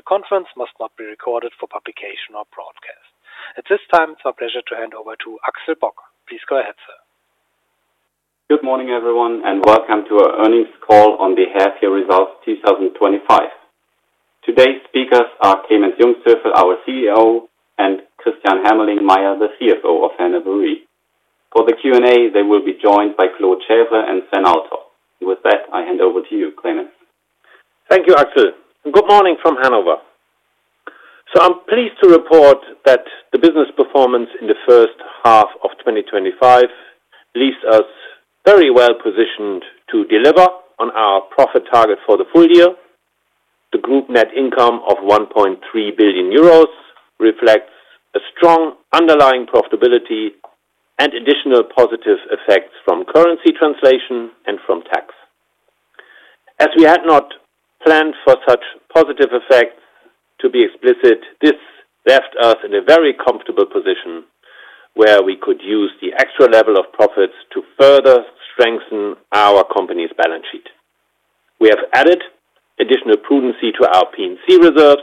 The conference must not be recorded for publication or broadcast. At this time, it's our pleasure to hand over to Axel Bock. Please go ahead, sir. Good morning, everyone, and welcome to our earnings call on the half year results 2025. Today's speakers are Clemens Jungsthöfel, our CEO, and Christian Hermelingmeier, the CFO of Hannover Re. For the Q&A, they will be joined by Claude Chèvre and Sven Althoff. With that, I hand over to you, Clemens. Thank you, Axel. Good morning from Hannover. I'm pleased to report that the business performance in the first half of 2025 leaves us very well positioned to deliver on our profit target for the full year. The group net income of 1.3 billion euros reflects a strong underlying profitability and additional positive effects from currency translation and from tax. As we had not planned for such positive effects, to be explicit, this left us in a very comfortable position where we could use the extra level of profits to further strengthen our company's balance sheet. We have added additional prudency to our P&C reserves.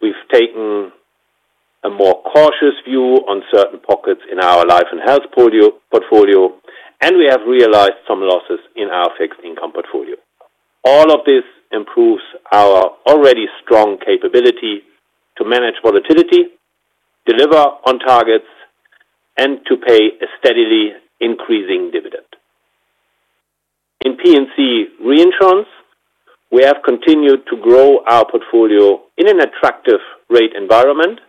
We've taken a more cautious view on certain pockets in our Life and Health portfolio, and we have realized some losses in our fixed income portfolio All of this improves our already strong capability to manage volatility, deliver on targets, and to pay a steadily increasing dividend. In P&C reinsurance, we have continued to grow our portfolio in an attractive rate environment.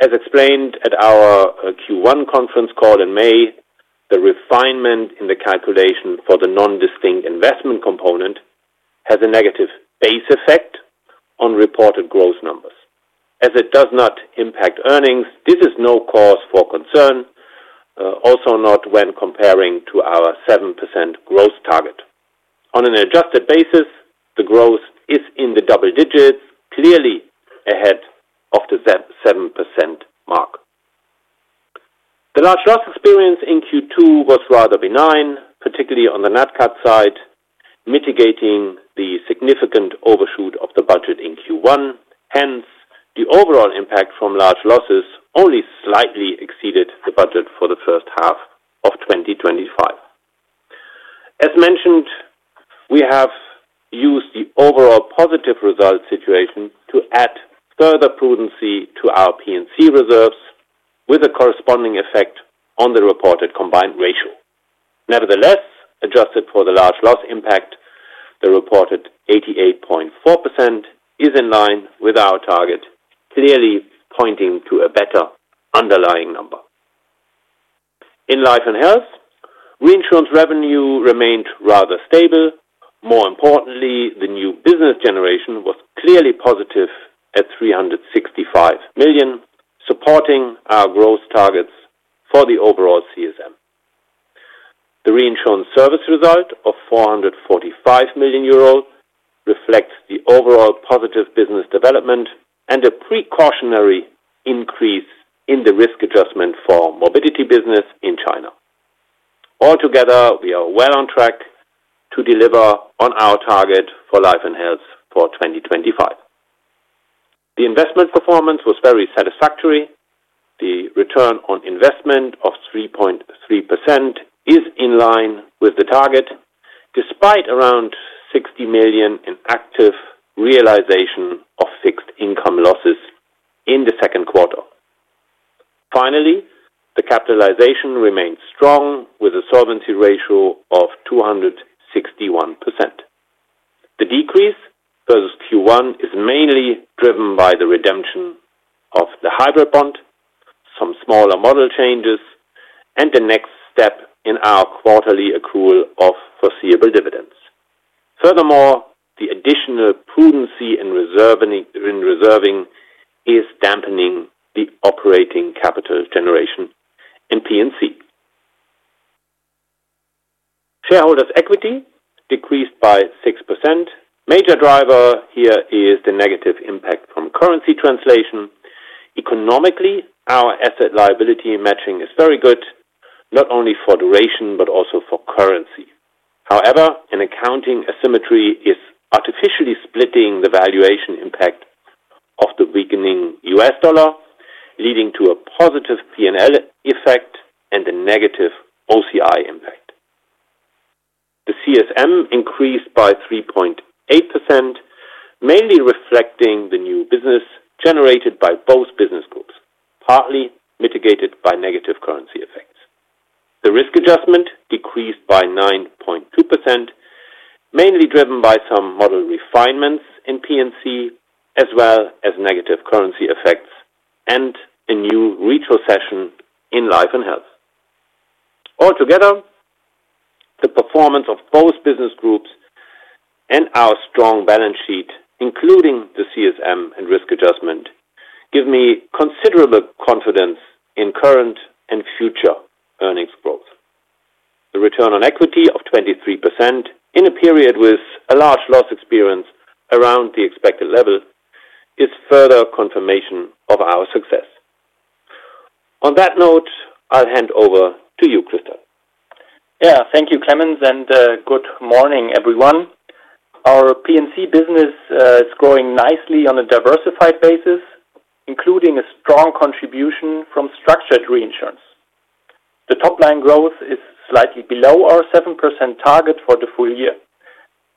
As explained at our Q1 conference call in May, the refinement in the calculation for the non-distinct investment component has a negative base effect on reported growth numbers. As it does not impact earnings, this is no cause for concern, also not when comparing to our 7% growth target. On an adjusted basis, the growth is in the double digits, clearly ahead of the 7% mark. The large loss experience in Q2 was rather benign, particularly on the NatCat side, mitigating the significant overshoot of the budget in Q1. Hence, the overall impact from large losses only slightly exceeded the budget for the first half of 2025. As mentioned, we have used the overall positive result situation to add further prudency to our P&C reserves with a corresponding effect on the reported Combined Ratio. Nevertheless, adjusted for the large loss impact, the reported 88.4% is in line with our target, clearly pointing to a better underlying number. In Life and Health, reinsurance revenue remained rather stable. More importantly, the new business generation was clearly positive at 365 million, supporting our growth targets for the overall CSM. The reinsurance service result of 445 million euros reflects the overall positive business development and a precautionary increase in the Risk Adjustment for morbidity business in China. Altogether, we are well on track to deliver on our target for Life and Health for 2025. The investment performance was very satisfactory. The return on investment of 3.3% is in line with the target, despite around 60 million in active realization of fixed income losses in the second quarter. Finally, the capitalization remains strong with a solvency ratio of 261%. The decrease post Q1 is mainly driven by the redemption of the hybrid bond, some smaller model changes, and the next step in our quarterly accrual of foreseeable dividends. Furthermore, the additional prudency in reserving is dampening the operating capital generation in P&C. Shareholders' equity decreased by 6%. The major driver here is the negative impact from currency translation. Economically, our asset liability matching is very good, not only for duration but also for currency. However, an accounting asymmetry is artificially splitting the valuation impact of the weakening U.S. dollar, leading to a positive P&L effect and a negative OCI impact. The CSM increased by 3.8%, mainly reflecting the new business generated by both business groups, partly mitigated by negative currency effects. The Risk Adjustment decreased by 9.2%, mainly driven by some model refinements in P&C, as well as negative currency effects and a new retrocession in Life and Health. Altogether, the performance of both business groups and our strong balance sheet, including the CSM and Risk Adjustment, give me considerable confidence in current and future earnings growth. The return on equity of 23% in a period with a large loss experience around the expected level is further confirmation of our success. On that note, I'll hand over to you, Christian. Yeah, thank you, Clemens, and good morning, everyone. Our P&C business is growing nicely on a diversified basis, including a strong contribution from Structured Reinsurance. The top-line growth is slightly below our 7% target for the full year.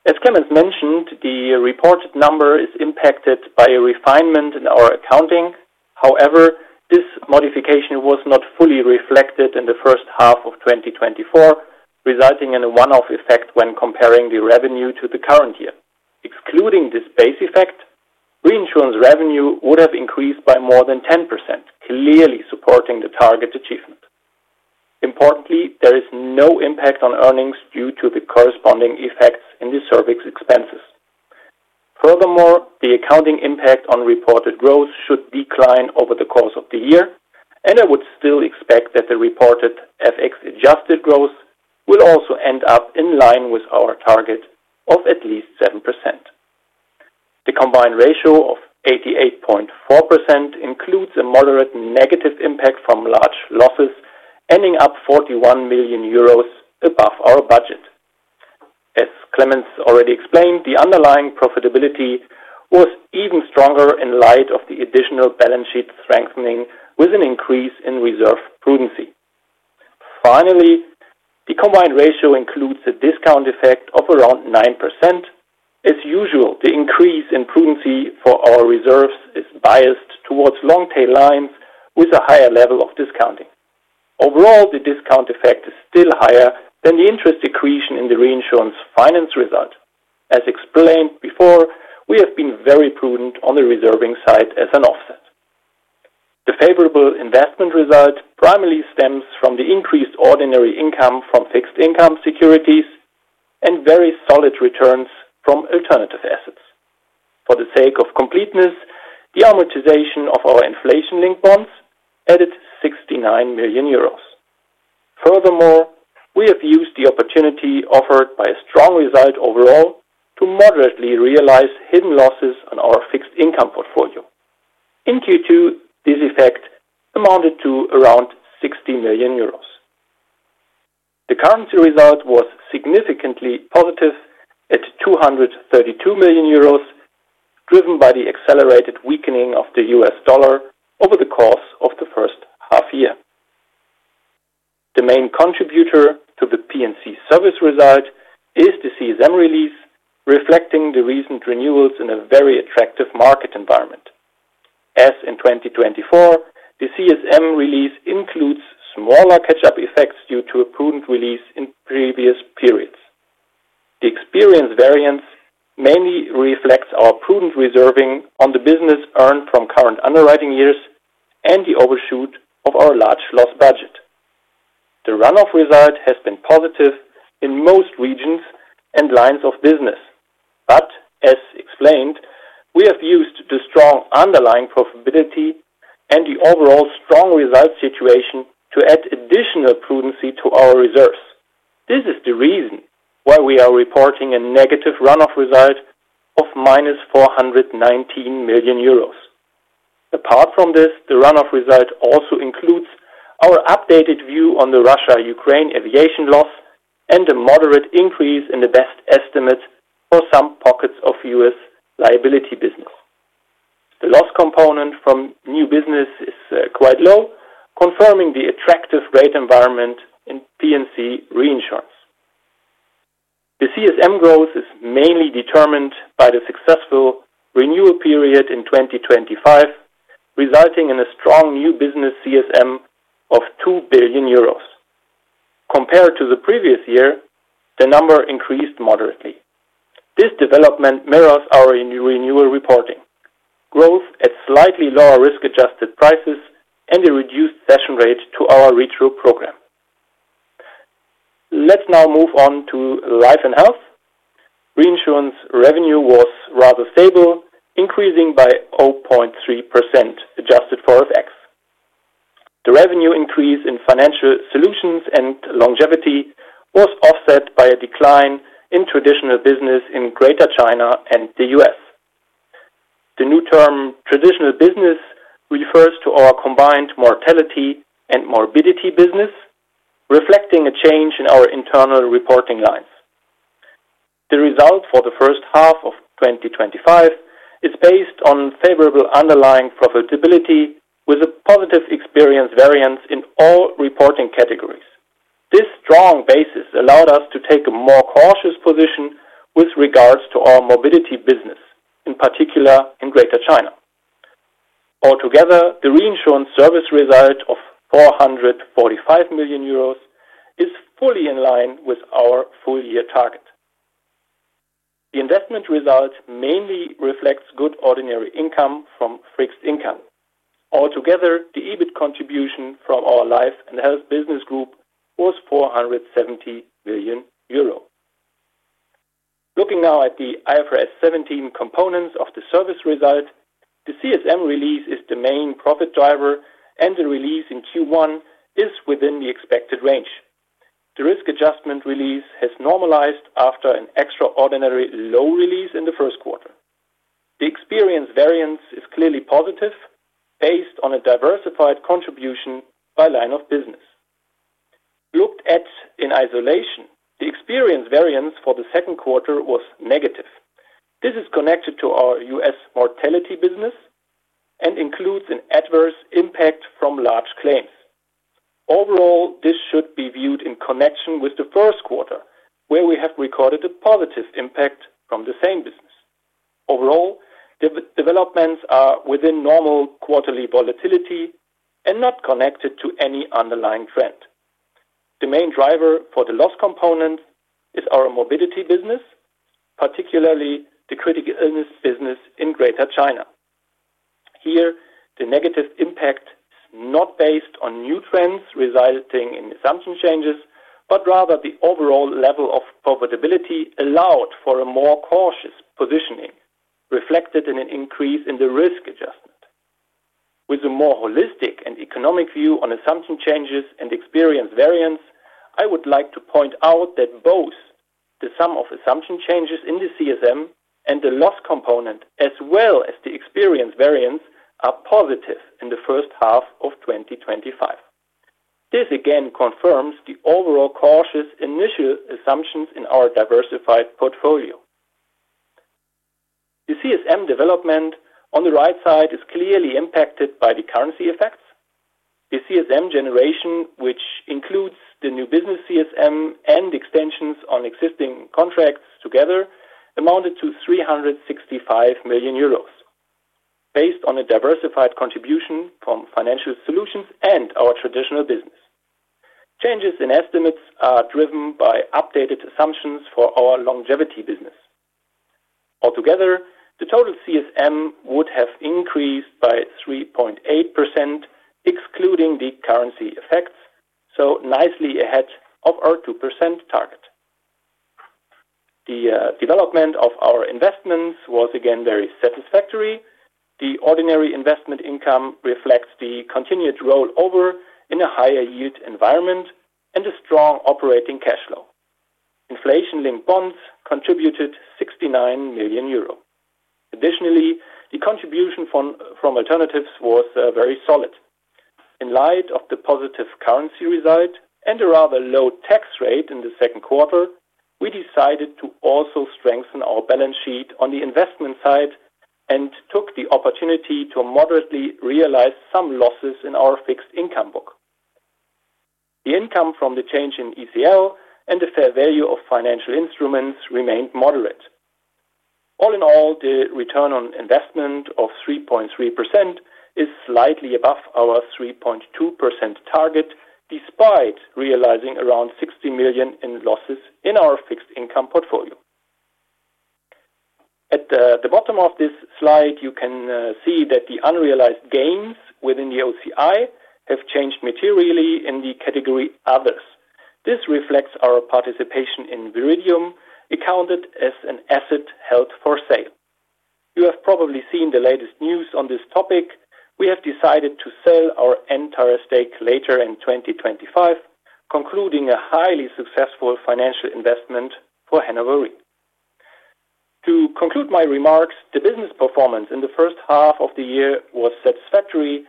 As Clemens mentioned, the reported number is impacted by a refinement in our accounting. However, this modification was not fully reflected in the first half of 2024, resulting in a one-off effect when comparing the revenue to the current year. Excluding this base effect, reinsurance revenue would have increased by more than 10%, clearly supporting the target achievement. Importantly, there is no impact on earnings due to the corresponding effects in the service expenses. Furthermore, the accounting impact on reported growth should decline over the course of the year, and I would still expect that the reported FX adjusted growth will also end up in line with our target of at least 7%. The Combined Ratio of 88.4% includes a moderate negative impact from large losses, ending up 41 million euros above our budget. As Clemens already explained, the underlying profitability was even stronger in light of the additional balance sheet strengthening with an increase in reserve prudency. Finally, the Combined Ratio includes a discount effect of around 9%. As usual, the increase in prudency for our reserves is biased towards long tail lines with a higher level of discounting. Overall, the discount effect is still higher than the interest decrease in the reinsurance finance result. As explained before, we have been very prudent on the reserving side as an offset. The favorable investment result primarily stems from the increased ordinary income from fixed income securities and very solid returns from alternative assets. For the sake of completeness, the amortization of our inflation-linked bonds added 69 million euros. Furthermore, we have used the opportunity offered by a strong result overall to moderately realize hidden losses on our fixed income portfolio. In Q2, this effect amounted to around 60 million euros. The currency result was significantly positive at 232 million euros, driven by the accelerated weakening of the U.S. dollar over the course of the first half year. The main contributor to the P&C service result is the CSM release, reflecting the recent renewals in a very attractive market environment. As in 2024, the CSM release includes smaller catch-up effects due to a prudent release in previous periods. The experience variance mainly reflects our prudent reserving on the business earned from current underwriting years and the overshoot of our large loss budget. The runoff result has been positive in most regions and lines of business, but as explained, we have used the strong underlying profitability and the overall strong result situation to add additional prudency to our reserves. This is the reason why we are reporting a negative runoff result of -419 million euros. Apart from this, the runoff result also includes our updated view on the Russia-Ukraine aviation loss and a moderate increase in the best estimates for some pockets of U.S. liability business. The Loss Component from new business is quite low, confirming the attractive rate Property and Casualty reinsurance. The CSM growth is mainly determined by the successful renewal period in 2025, resulting in a strong new business CSM of 2 billion euros. Compared to the previous year, the number increased moderately. This development mirrors our renewal reporting: growth at slightly lower risk-adjusted prices and a reduced session rate to our retro program. Let's now move on to Life and Health. Reinsurance revenue was rather stable, increasing by 0.3% adjusted for FX. The revenue increase in financial solutions and longevity was offset by a decline in traditional business in Greater China and the U.S. The new term "traditional business" refers to our combined mortality and morbidity business, reflecting a change in our internal reporting lines. The result for the first half of 2025 is based on favorable underlying profitability with a positive experience variance in all reporting categories. This strong basis allowed us to take a more cautious position with regards to our morbidity business, in particular in Greater China. Altogether, the reinsurance service result of 445 million euros is fully in line with our full-year target. The investment result mainly reflects good ordinary income from fixed income. Altogether, the EBIT contribution from our Life and Health business group was 470 million euro. Looking now at the IFRS 17 components of the service result, the CSM release is the main profit driver, and the release in Q1 is within the expected range. The Risk Adjustment release has normalized after an extraordinarily low release in the first quarter. The experience variance is clearly positive, based on a diversified contribution by line of business. Looked at in isolation, the experience variance for the second quarter was negative. This is connected to our U.S. mortality business and includes an adverse impact from large claims. Overall, this should be viewed in connection with the first quarter, where we have recorded a positive impact from the same business. Overall, the developments are within normal quarterly volatility and not connected to any underlying trend. The main driver for the Loss Component is our morbidity business, particularly the critical illness business in Greater China. Here, the negative impact is not based on new trends resulting in assumption changes, but rather the overall level of profitability allowed for a more cautious positioning, reflected in an increase in the Risk Adjustment. With a more holistic and economic view on assumption changes and experience variance, I would like to point out that both the sum of assumption changes in the CSM and the Loss Component, as well as the experience variance, are positive in the first half of 2025. This again confirms the overall cautious initial assumptions in our diversified portfolio. The CSM development on the right side is clearly impacted by the currency effects. The CSM generation, which includes the new business CSM and extensions on existing contracts together, amounted to 365 million euros, based on a diversified contribution from financial solutions and our traditional business. Changes in estimates are driven by updated assumptions for our longevity business. Altogether, the total CSM would have increased by 3.8%, excluding the currency effects, so nicely ahead of our 2% target. The development of our investments was again very satisfactory. The ordinary investment income reflects the continued rollover in a higher yield environment and a strong operating cash flow. Inflation-linked bonds contributed 69 million euro. Additionally, the contribution from alternatives was very solid. In light of the positive currency result and a rather low tax rate in the second quarter, we decided to also strengthen our balance sheet on the investment side and took the opportunity to moderately realize some losses in our fixed income book. The income from the change in ECL and the fair value of financial instruments remained moderate. All in all, the return on investment of 3.3% is slightly above our 3.2% target, despite realizing around 60 million in losses in our fixed income portfolio. At the bottom of this slide, you can see that the unrealized gains within the OCI have changed materially in the category Others. This reflects our participation in Viridium, accounted as an asset held for sale. You have probably seen the latest news on this topic. We have decided to sell our entire stake later in 2025, concluding a highly successful financial investment for Hannover Re. To conclude my remarks, the business performance in the first half of the year was satisfactory.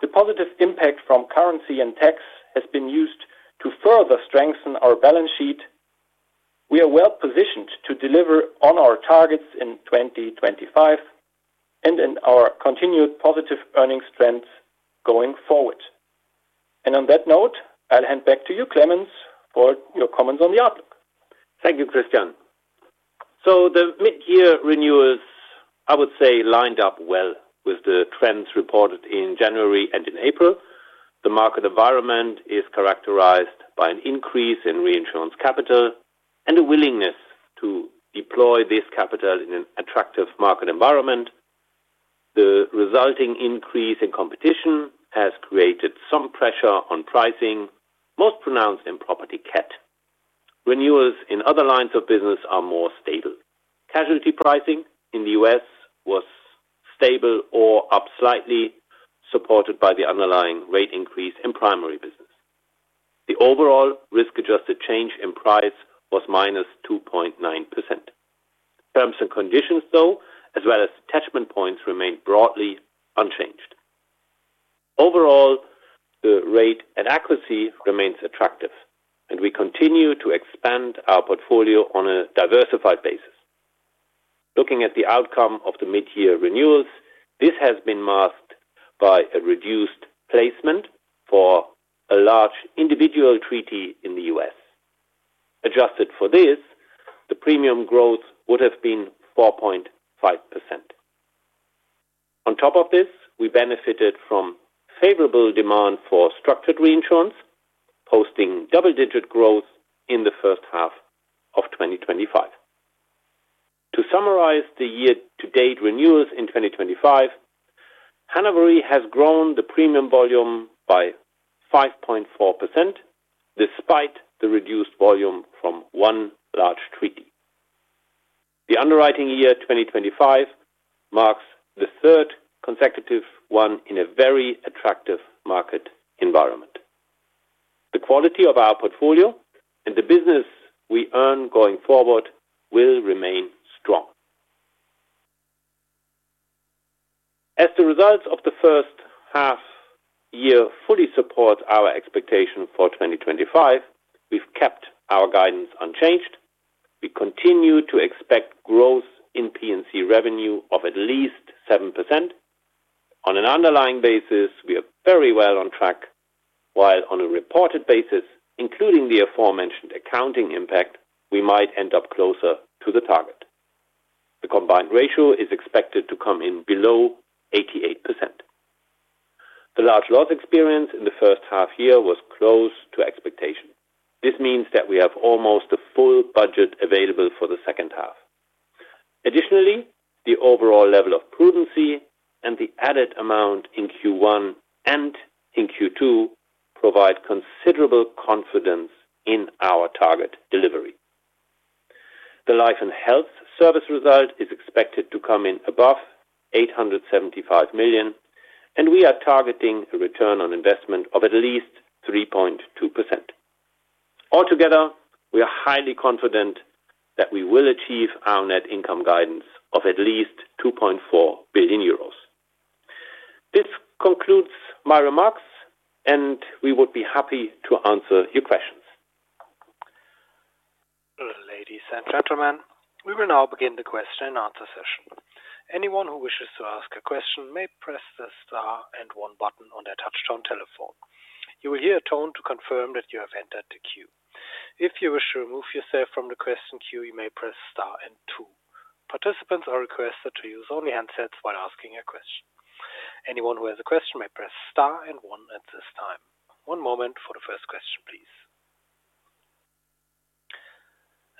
The positive impact from currency and tax has been used to further strengthen our balance sheet. We are well positioned to deliver on our targets in 2025 and in our continued positive earnings trends going forward. On that note, I'll hand back to you, Clemens, for your comments on the outlook. Thank you, Christian. The mid-year renewals, I would say, lined up well with the trends reported in January and in April. The market environment is characterized by an increase in reinsurance capital and a willingness to deploy this capital in an attractive market environment. The resulting increase in competition has created some pressure on pricing, most pronounced in property CAT. Renewals in other lines of business are more stable. Casualty pricing in the U.S. was stable or up slightly, supported by the underlying rate increase in primary business. The overall risk-adjusted change in price was -2.9%. Terms and conditions, though, as well as attachment points, remain broadly unchanged. Overall, the rate and accuracy remain attractive, and we continue to expand our portfolio on a diversified basis. Looking at the outcome of the mid-year renewals, this has been masked by a reduced placement for a large individual treaty in the U.S. Adjusted for this, the premium growth would have been 4.5%. On top of this, we benefited from favorable demand for Structured Reinsurance, posting double-digit growth in the first half of 2025. To summarize the year-to-date renewals in 2025, Hannover Re has grown the premium volume by 5.4%, despite the reduced volume from one large treaty. The underwriting year 2025 marks the third consecutive one in a very attractive market environment. The quality of our portfolio and the business we earn going forward will remain strong. As the results of the first half year fully support our expectation for 2025, we've kept our guidance unchanged. We continue to expect growth in P&C revenue of at least 7%. On an underlying basis, we are very well on track, while on a reported basis, including the aforementioned accounting impact, we might end up closer to the target. The Combined Ratio is expected to come in below 88%. The large loss experience in the first half year was close to expectation. This means that we have almost a full budget available for the second half. Additionally, the overall level of prudency and the added amount in Q1 and in Q2 provide considerable confidence in our target delivery. The Life and Health service result is expected to come in above 875 million, and we are targeting a return on investment of at least 3.2%. Altogether, we are highly confident that we will achieve our net income guidance of at least 2.4 billion euros. This concludes my remarks, and we would be happy to answer your questions. Ladies and gentlemen, we will now begin the question and answer session. Anyone who wishes to ask a question may press the star and one button on their touchstone telephone. You will hear a tone to confirm that you have entered the queue. If you wish to remove yourself from the question queue, you may press star and two. Participants are requested to use only handsets while asking a question. Anyone who has a question may press star and one at this time. One moment for the first question, please.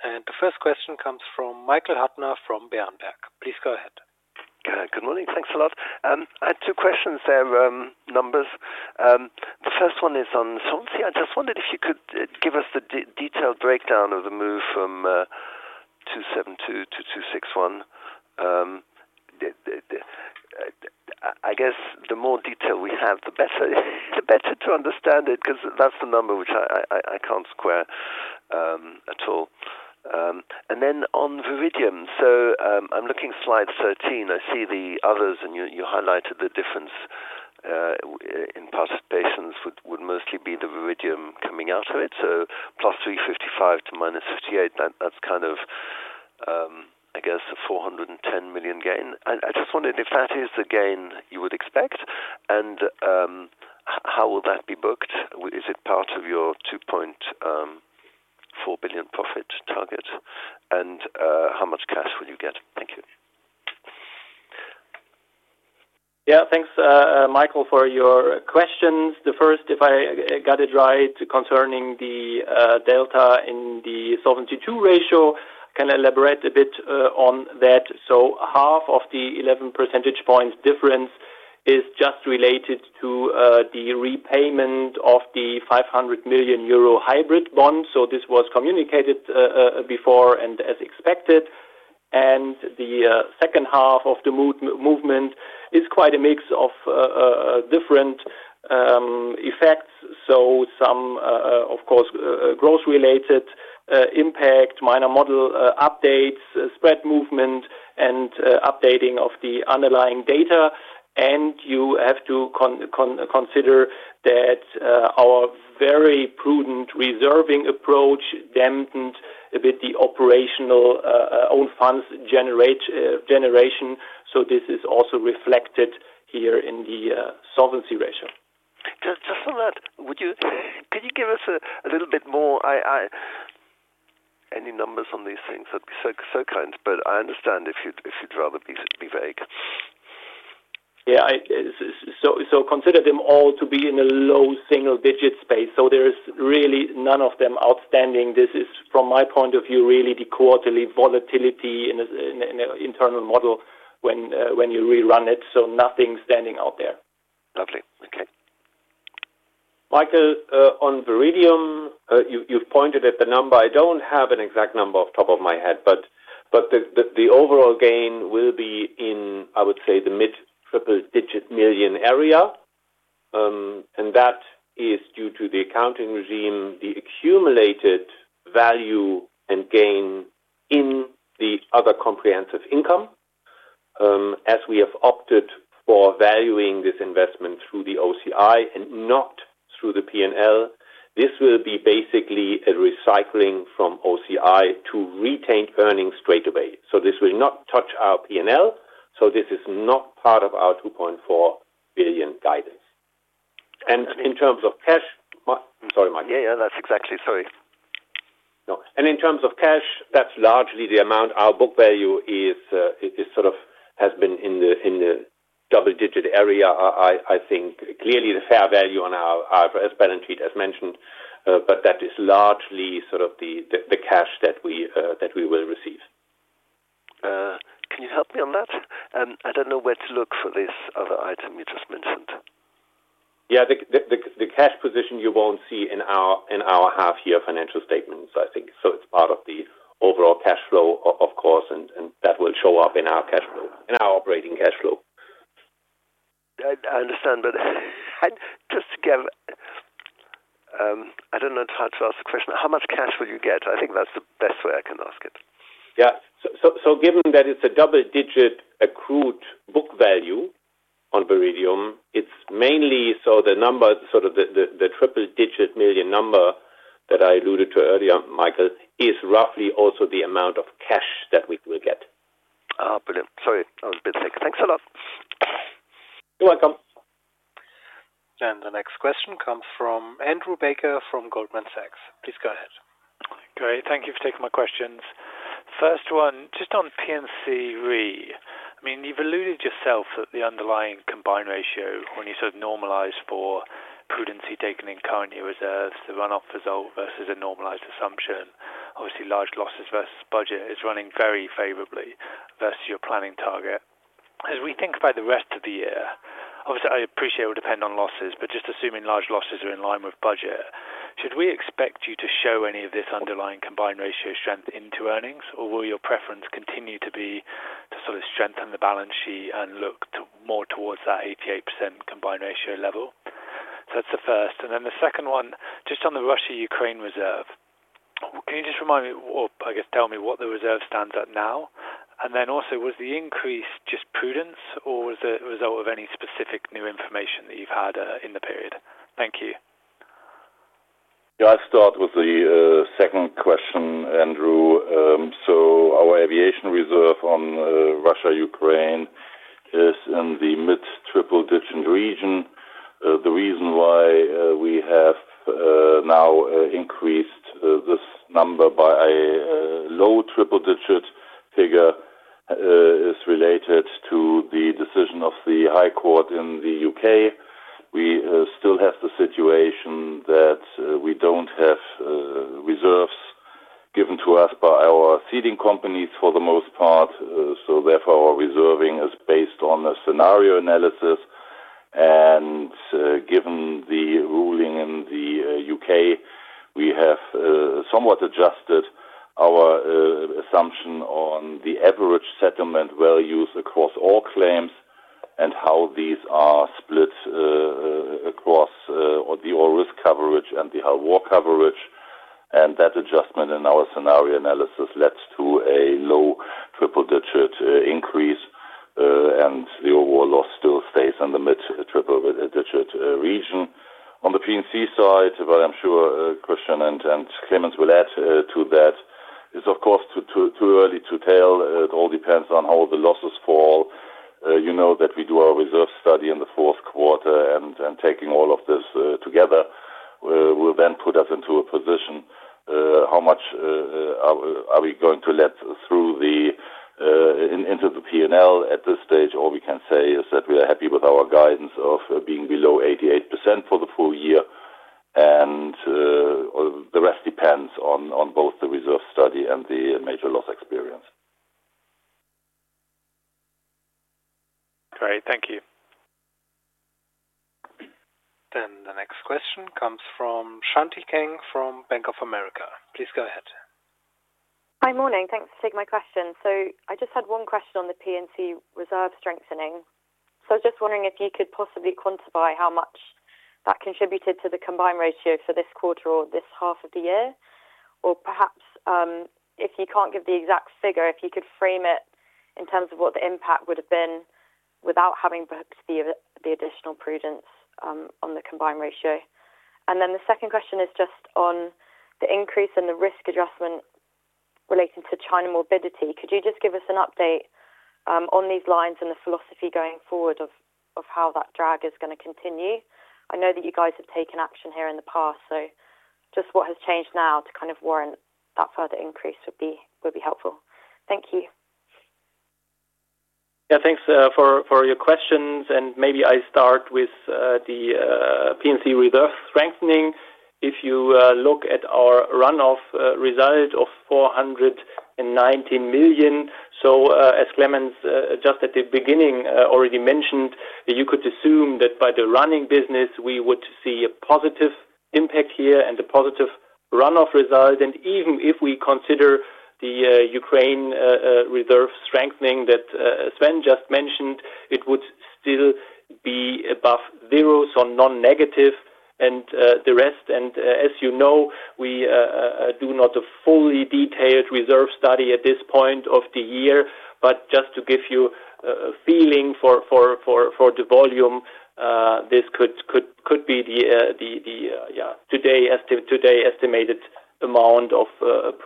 The first question comes from Michael Huttner from Berenberg. Please go ahead. Yeah, good morning. Thanks a lot. I had two questions on numbers. The first one is on solvency. I just wondered if you could give us the detailed breakdown of the move from 272% to 261%. I guess the more detail we have, the better to understand it because that's the number which I can't square at all. On Viridium, I'm looking at slide 13. I see the others, and you highlighted the difference in participations would mostly be the Viridium coming out of it. Plus 355 to minus 58, that's kind of, I guess, a 410 million gain. I just wondered if that is the gain you would expect, and how will that be booked? Is it part of your 2.4 billion profit target? How much cash will you get? Thank you. Yeah, thanks, Michael, for your questions. The first, if I got it right, concerning the delta in the Solvency II ratio, I can elaborate a bit on that. Half of the 11% difference is just related to the repayment of the 500 million euro hybrid bond. This was communicated before and as expected. The second half of the movement is quite a mix of different effects. Some, of course, growth-related impact, minor model updates, spread movement, and updating of the underlying data. You have to consider that our very prudent reserving approach dampened a bit the operational own funds generation. This is also reflected here in the solvency ratio. Just on that, could you give us a little bit more? Any numbers on these things would be so kind, but I understand if you'd rather be vague. Yeah, consider them all to be in a low single-digit space. There is really none of them outstanding. This is, from my point of view, really the quarterly volatility in an internal model when you rerun it. Nothing standing out there. Lovely. Okay. Michael, on Viridium, you've pointed at the number. I don't have an exact number off the top of my head, but the overall gain will be in, I would say, the mid-triple-digit million area. That is due to the accounting regime, the accumulated value and gain in the other comprehensive income. As we have opted for valuing this investment through the OCI and not through the P&L, this will be basically a recycling from OCI to retained earnings straight away. This will not touch our P&L. This is not part of our 2.4 billion guidance. In terms of cash, sorry, Michael. Yeah, that's exactly right. Sorry. In terms of cash, that's largely the amount our book value is, sort of, has been in the double-digit area. I think clearly the fair value on our IFRS balance sheet, as mentioned, but that is largely the cash that we will receive. Can you help me on that? I don't know where to look for this other item you just mentioned. Yeah, the cash position you won't see in our half-year financial statements, I think. It's part of the overall cash flow, of course, and that will show up in our cash flow, in our operating cash flow. I understand, but I just, I don't know how to ask the question. How much cash will you get? I think that's the best way I can ask it. Yeah, given that it's a double-digit accrued book value on Viridium, it's mainly so the number, sort of the triple-digit million number that I alluded to earlier, Michael, is roughly also the amount of cash that we will get. Brilliant. Sorry, I was a bit sick. Thanks a lot. You're welcome. The next question comes from Andrew Baker from Goldman Sachs. Please go ahead. Great. Thank you for taking my questions. First one, just on P&C Re. I mean, you've alluded yourself that the underlying Combined Ratio when you sort of normalize for prudency taken in current year reserves, the runoff result versus a normalized assumption, obviously large losses versus budget is running very favorably versus your planning target. As we think about the rest of the year, I appreciate it will depend on losses, but just assuming large losses are in line with budget, should we expect you to show any of this underlying Combined Ratio strength into earnings, or will your preference continue to be to strengthen the balance sheet and look more towards that 88% Combined Ratio level? That's the first. The second one, just on the Russia-Ukraine reserve. Can you just remind me, or tell me what the reserve stands at now? Was the increase just prudence, or was it a result of any specific new information that you've had in the period? Thank you. Yeah, I'll start with the second question, Andrew. Our aviation reserve on Russia-Ukraine is in the mid-triple-digit region. The reason why we have now increased this number by a low triple-digit figure is related to the decision of the High Court in the U.K. We still have the situation that we don't have reserves given to us by our ceding companies for the most part. Therefore, our reserving is based on a scenario analysis. Given the ruling in the U.K., we have somewhat adjusted our assumption on the average settlement values across all claims and how these are split across the all-risk coverage and the whole war coverage. That adjustment in our scenario analysis led to a low triple-digit increase, and the overall loss still stays in the mid-triple-digit region. On the P&C side, what I'm sure Christian and Clemens will add to that is, of course, too early to tell. It all depends on how the losses fall. You know that we do our reserve study in the fourth quarter, and taking all of this together will then put us into a position. How much are we going to let through into the P&L at this stage? All we can say is that we are happy with our guidance of being below 88% for the full year. The rest depends on both the reserve study and the major loss experience. Great. Thank you. The next question comes from Shanti Kang from Bank of America. Please go ahead. Hi, morning. Thanks for taking my question. I just had one question on the Property and Casualty reserve strengthening. I was just wondering if you could possibly quantify how much that contributed to the Combined Ratio for this quarter or this half of the year. Perhaps, if you can't give the exact figure, if you could frame it in terms of what the impact would have been without having booked the additional prudence on the Combined Ratio. The second question is just on the increase in the Risk Adjustment relating to China morbidity. Could you just give us an update on these lines and the philosophy going forward of how that drag is going to continue? I know that you guys have taken action here in the past, so just what has changed now to kind of warrant that further increase would be helpful. Thank you. Yeah, thanks for your questions. Maybe I start with the P&C reserve strengthening. If you look at our runoff result of 419 million, as Clemens Jungsthöfel just at the beginning already mentioned, you could assume that by the running business, we would see a positive impact here and a positive runoff result. Even if we consider the Ukraine reserve strengthening that Sven Althoff just mentioned, it would still be above zero, so non-negative. As you know, we do not have a fully detailed reserve study at this point of the year, but just to give you a feeling for the volume, this could be the today estimated amount of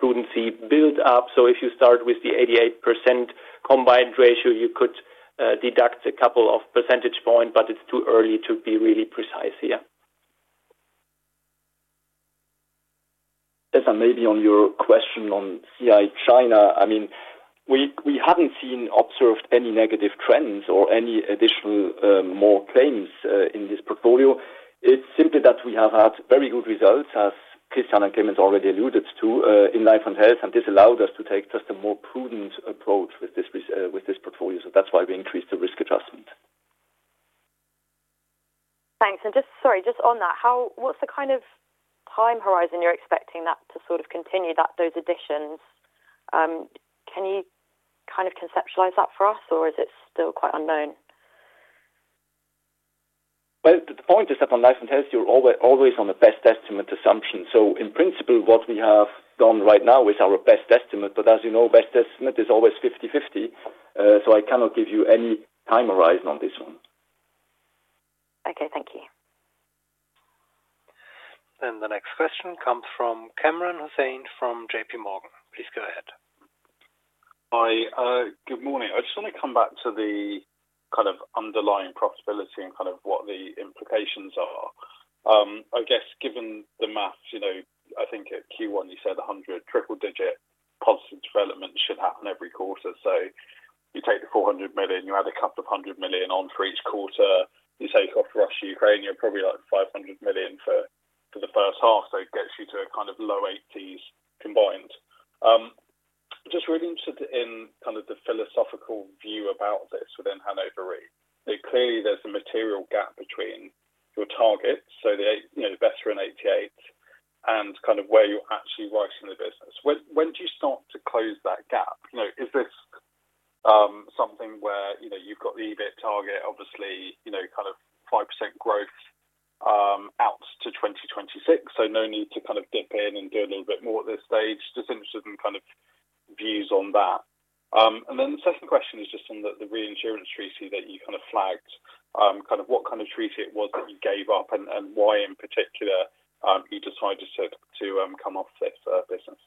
prudency built up. If you start with the 88% Combined Ratio, you could deduct a couple of percentage points, but it's too early to be really precise here. Maybe on your question on CI China, I mean, we haven't seen or observed any negative trends or any additional more claims in this portfolio. It's simply that we have had very good results, as Chris and Clemens already alluded to, in Life and Health, and this allowed us to take just a more prudent approach with this portfolio. That's why we increased the Risk Adjustment. Thanks. Just on that, what's the kind of time horizon you're expecting that to continue, those additions? Can you kind of conceptualize that for us, or is it still quite unknown? On Life and Health, you're always on the best estimate assumption. In principle, what we have done right now is our best estimate. As you know, best estimate is always 50-50. I cannot give you any time horizon on this one. Okay, thank you. The next question comes from Kamran Hossain from JPMorgan. Please go ahead. Hi, good morning. I just want to come back to the kind of underlying profitability and what the implications are. I guess given the math, you know, I think at Q1 you said 100 triple-digit positive development should happen every quarter. You take the 400 million, you add a couple of hundred million on for each quarter, you take off Russia-Ukraine, you're probably like 500 million for the first half. It gets you to a kind of low 80s combined. I'm just really interested in the philosophical view about this within Hannover Re. Clearly, there's a material gap between your targets, so the, you know, veteran 88s, and where you're actually writing the business. When do you start to close that gap? Is this something where you've got the EBIT target, obviously, you know, 5% growth out to 2026? No need to dip in and do a little bit more at this stage. Just interested in views on that. The second question is just on the reinsurance treaty that you flagged, what kind of treaty it was that you gave up and why in particular you decided to come off this business.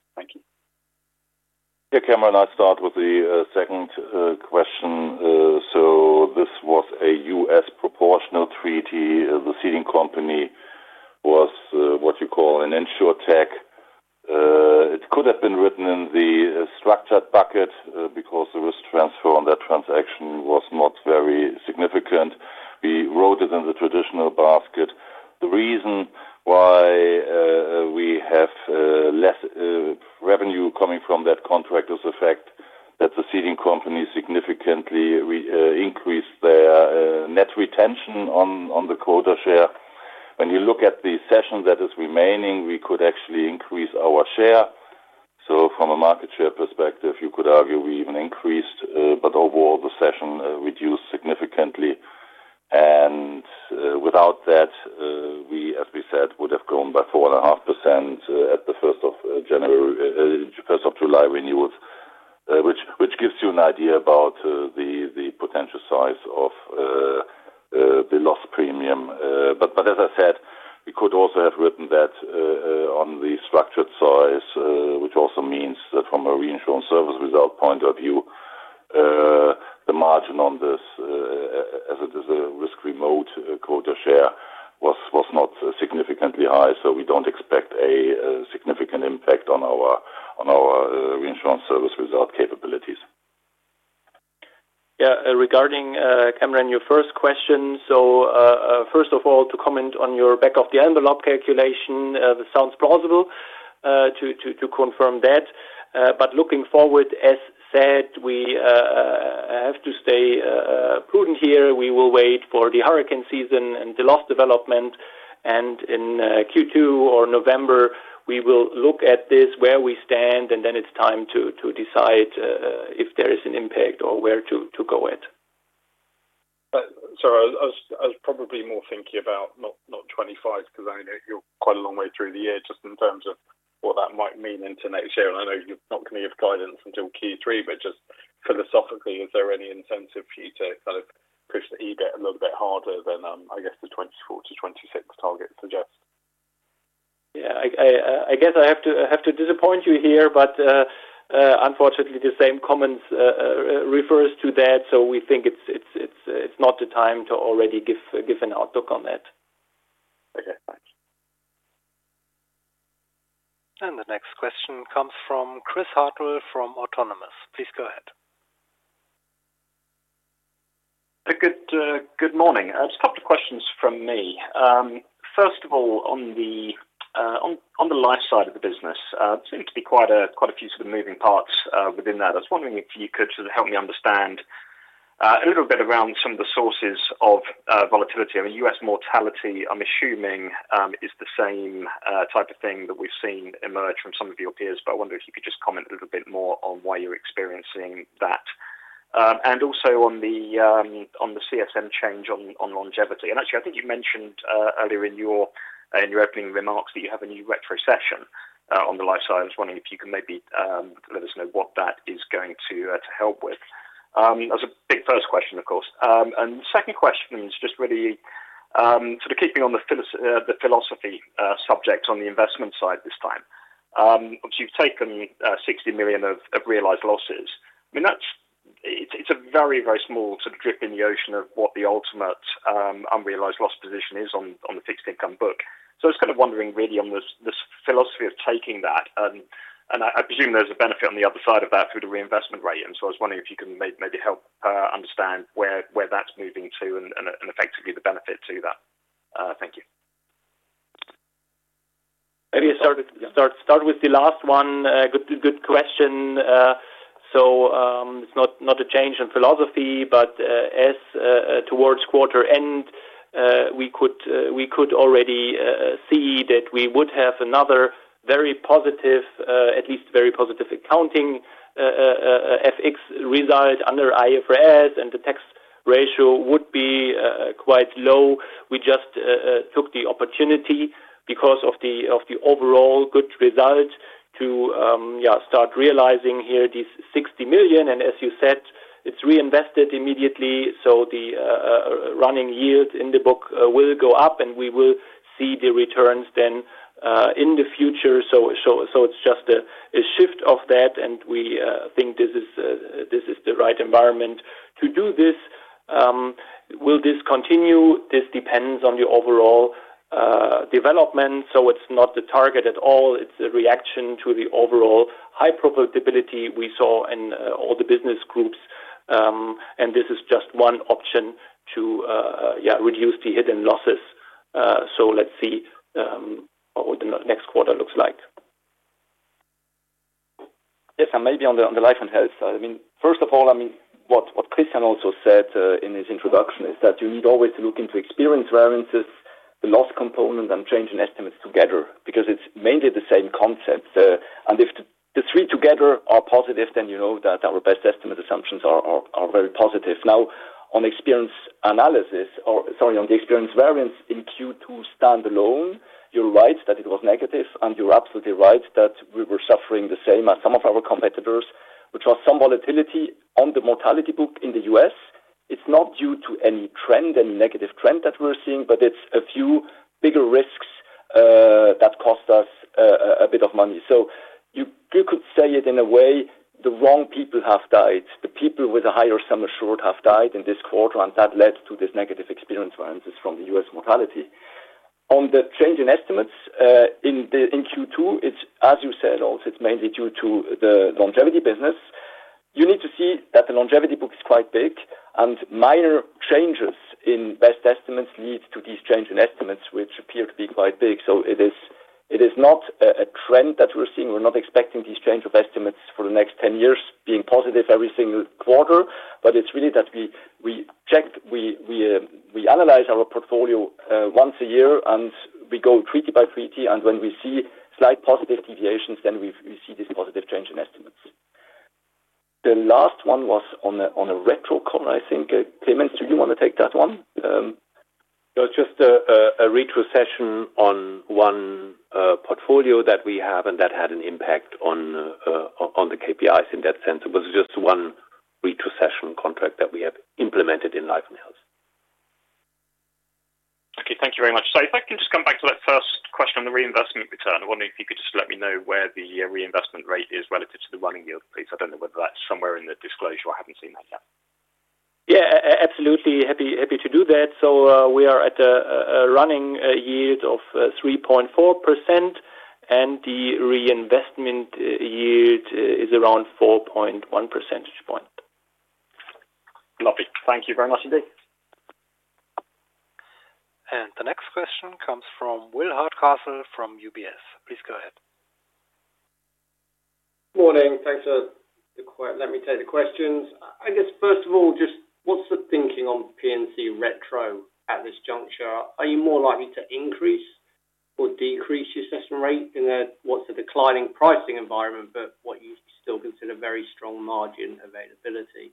Yeah, Kamran, I'll start with the second question. This was a U.S. proportional treaty. The ceding company was what you call an insurtech. It could have been written in the structured bucket because the risk transfer on that transaction was not very significant. We wrote it in the traditional basket. The reason why we have less revenue coming from that contract is the fact that the ceding company significantly increased their net retention on the quota share. When you look at the session that is remaining, we could actually increase our share. From a market share perspective, you could argue we even increased, but overall, the session reduced significantly. Without that, we, as we said, would have gone by 4.5% at the 1st of January, 1st of July renewals, which gives you an idea about the potential size of the loss premium. As I said, we could also have written that on the structured side, which also means that from a reinsurance service result point of view, the margin on this, as it is a risk remote quota share, was not significantly high. We don't expect a significant impact on our reinsurance service result capabilities. Yeah, regarding Kamran, your first question, first of all, to comment on your back-of-the-envelope calculation, this sounds plausible to confirm that. Looking forward, as said, we have to stay prudent here. We will wait for the hurricane season and the loss development. In Q2 or November, we will look at this, where we stand, and then it's time to decide if there is an impact or where to go at. Sorry, I was probably more thinking about not 2025 because I know you're quite a long way through the year just in terms of what that might mean into next year. I know you're not going to give guidance until Q3, but just philosophically, is there any incentive for you to kind of push the EBIT a little bit harder than I guess the 2024 to 2026 target suggests? I guess I have to disappoint you here, but unfortunately, the same comments refer to that. We think it's not the time to already give an outlook on that. Okay, thanks. The next question comes from Chris Hartwell from Autonomous. Please go ahead. Good morning. Just a couple of questions from me. First of all, on the life side of the business, there seem to be quite a few sort of moving parts within that. I was wondering if you could sort of help me understand a little bit around some of the sources of volatility. I mean, U.S. mortality, I'm assuming, is the same type of thing that we've seen emerge from some of your peers, but I wonder if you could just comment a little bit more on why you're experiencing that. Also, on the CSM change on longevity. I think you mentioned earlier in your opening remarks that you have a new retrocession on the life side. I was wondering if you can maybe let us know what that is going to help with. That was a big first question, of course. The second question is just really sort of keeping on the philosophy subject on the investment side this time. Obviously, you've taken 60 million of realized losses. I mean, it's a very, very small sort of drip in the ocean of what the ultimate unrealized loss position is on the fixed income book. I was kind of wondering really on this philosophy of taking that. I presume there's a benefit on the other side of that through the reinvestment rate. I was wondering if you can maybe help understand where that's moving to and effectively the benefit to that. Thank you. Maybe I start with the last one. Good question. It's not a change in philosophy, but as towards quarter end, we could already see that we would have another very positive, at least very positive accounting FX result under IFRS, and the tax ratio would be quite low. We just took the opportunity because of the overall good result to start realizing here these 60 million. As you said, it's reinvested immediately. The running yield in the book will go up, and we will see the returns then in the future. It's just a shift of that, and we think this is the right environment to do this. Will this continue? This depends on the overall development. It's not the target at all. It's a reaction to the overall high profitability we saw in all the business groups. This is just one option to reduce the hidden losses. Let's see what the next quarter looks like. Yes, and maybe on the Life and Health side. First of all, what Christian also said in his introduction is that you need always to look into experience variances, the Loss Component, and change in estimates together because it's mainly the same concept. If the three together are positive, then you know that our best estimate assumptions are very positive. Now, on experience analysis, or on the experience variance in Q2 standalone, you're right that it was negative, and you're absolutely right that we were suffering the same as some of our competitors, which was some volatility on the mortality book in the U.S. It's not due to any trend, any negative trend that we're seeing, but it's a few bigger risks that cost us a bit of money. You could say, in a way, the wrong people have died. The people with a higher sum assured have died in this quarter, and that led to this negative experience variances from the U.S. mortality. On the change in estimates in Q2, as you said also, it's mainly due to the longevity business. You need to see that the longevity book is quite big, and minor changes in best estimates lead to these changes in estimates, which appear to be quite big. It is not a trend that we're seeing. We're not expecting these changes of estimates for the next 10 years being positive every single quarter, but it's really that we check, we analyze our portfolio once a year, and we go treaty by treaty. When we see slight positive deviations, then we see this positive change in estimates. The last one was on a retro call, I think. Clemens, do you want to take that one? No, just a retrocession on one portfolio that we have, and that had an impact on the KPIs in that sense. It was just one retrocession contract that we have implemented Life and Health. Thank you very much. If I can just come back to that first question on the reinvestment return, I'm wondering if you could just let me know where the reinvestment rate is relative to the running yield, please. I don't know whether that's somewhere in the disclosure. I haven't seen that yet. Yeah, absolutely. Happy to do that. We are at a running yield of 3.4%, and the reinvestment yield is around 4.1 percentage points. Lovely. Thank you very much indeed. The next question comes from William Hardcastle from UBS. Please go ahead. Morning. Thanks for letting me take the questions. I guess, first of all, just what's the thinking on P&C retro at this juncture? Are you more likely to increase or decrease your assessment rate in a, what's a declining pricing environment, but what you still consider a very strong margin availability?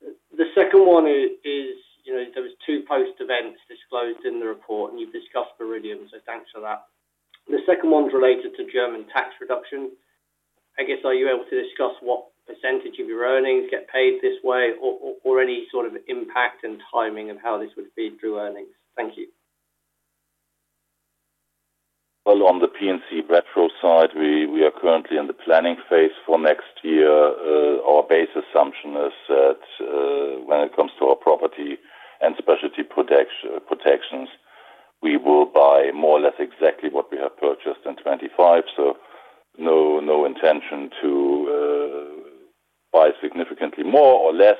The second one is, you know, there were two post-events disclosed in the report, and you've discussed Viridium, so thanks for that. The second one's related to German tax reduction. I guess, are you able to discuss what percentage of your earnings get paid this way or any sort of impact and timing of how this would feed through earnings? Thank you. On the P&C retro side, we are currently in the planning phase for next year. Our base assumption is that when it comes to our property and specialty protections, we will buy more or less exactly what we have purchased in 2025. There is no intention to buy significantly more or less.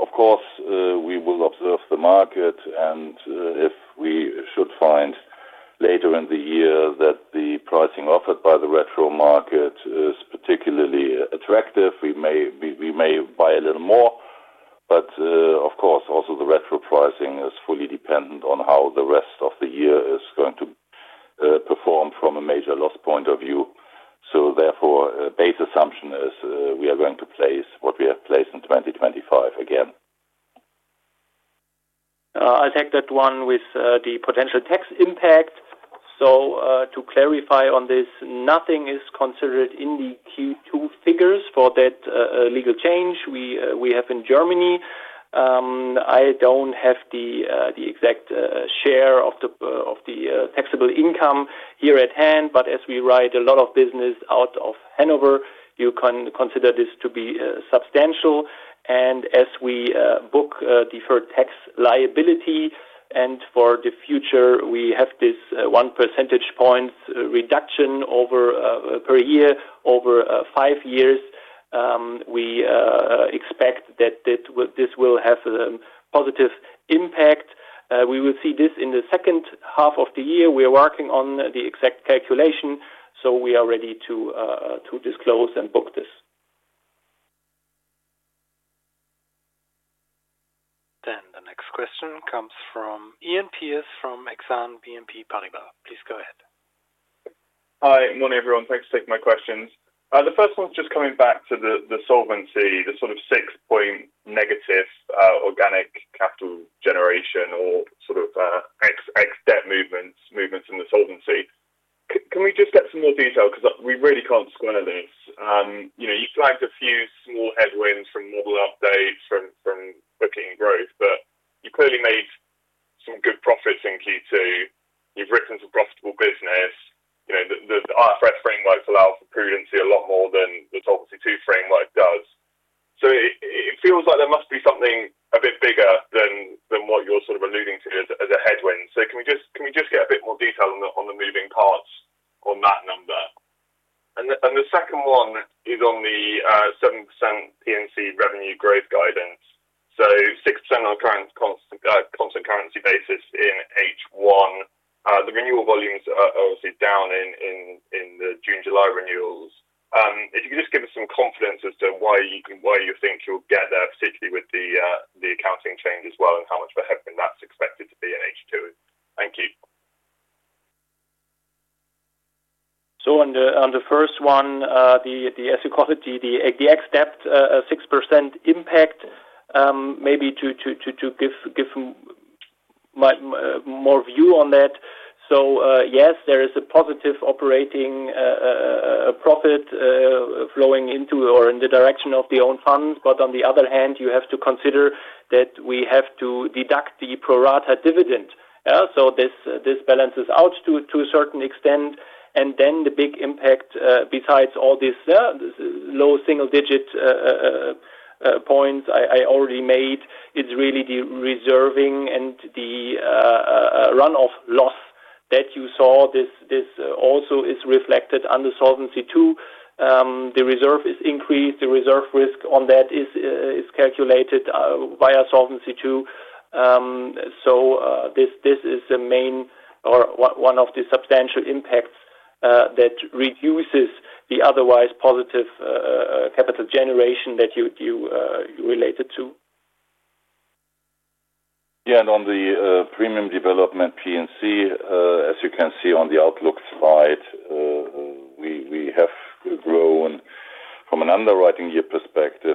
Of course, we will observe the market, and if we should find later in the year that the pricing offered by the retro market is particularly attractive, we may buy a little more. Of course, also the retro pricing is fully dependent on how the rest of the year is going to perform from a major loss point of view. Therefore, the base assumption is we are going to place what we have placed in 2025 again. I'll take that one with the potential tax impact. To clarify on this, nothing is considered in the Q2 figures for that legal change we have in Germany. I don't have the exact share of the taxable income here at hand, but as we write a lot of business out of Hannover, you can consider this to be substantial. As we book deferred tax liability and for the future, we have this 1% reduction per year over five years. We expect that this will have a positive impact. We will see this in the second half of the year. We are working on the exact calculation, so we are ready to disclose and book this. The next question comes from Iain Pearce from Exane BNP Paribas. Please go ahead. Hi, good morning everyone. Thanks for taking my questions. The first one's just coming back to the solvency, the sort of 6-point negative organic capital generation or sort of ex-debt movements in the solvency. Can we just get some more detail? Because we really can't square this. You know, you flagged a few small headwinds from model updates from looking at growth, but you've clearly made some good profits in Q2. You've The big impact, besides all this low single-digit point I already made, is really the reserving and the runoff loss that you saw. This also is reflected under Solvency II. The reserve is increased. The reserve risk on that is calculated via Solvency II. This is the main or one of the substantial impacts that reduces the otherwise positive capital generation that you related to. Yeah, and on the premium development P&C, as you can see on the outlook slide, we have grown from an underwriting year perspective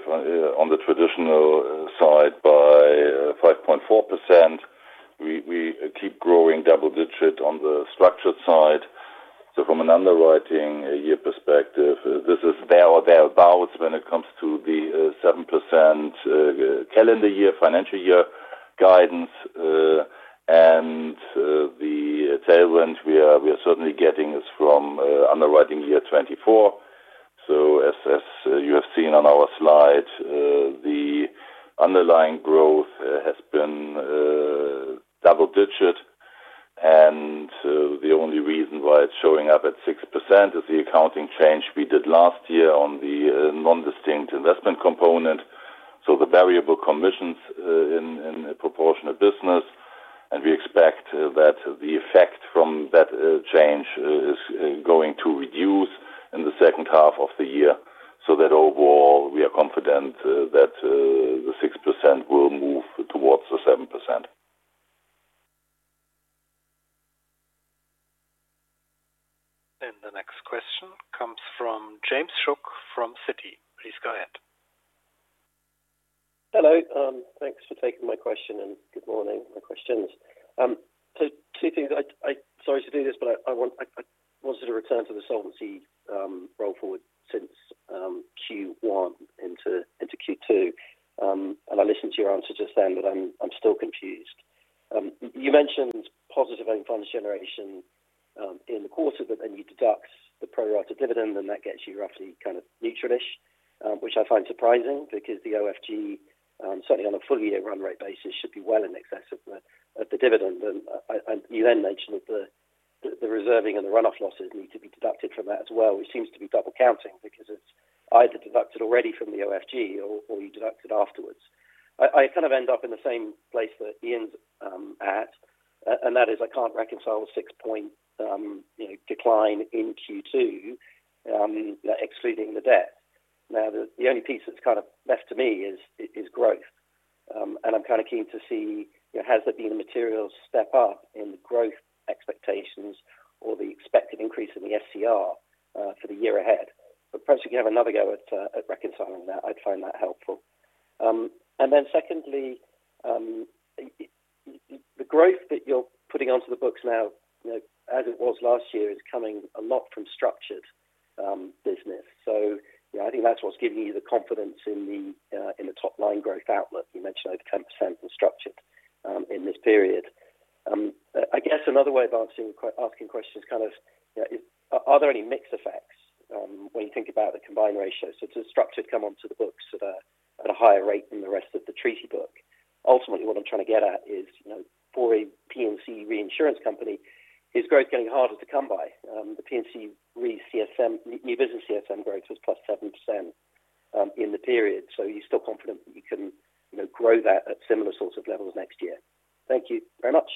I think that's what's giving you the confidence in the top line growth outlook. You mentioned over 10% in structured in this period. I guess another way of asking questions is, are there any mixed effects when you think about the Combined Ratio? Does structured come onto the books at a higher rate than the rest of the treaty book? Ultimately, what I'm trying to get at is, for a P&C reinsurance company, is growth getting harder to come by? The P&C Re CFM, new business CFM growth was +7% in the period. Are you still confident that you can grow that at similar sorts of levels next year? Thank you very much.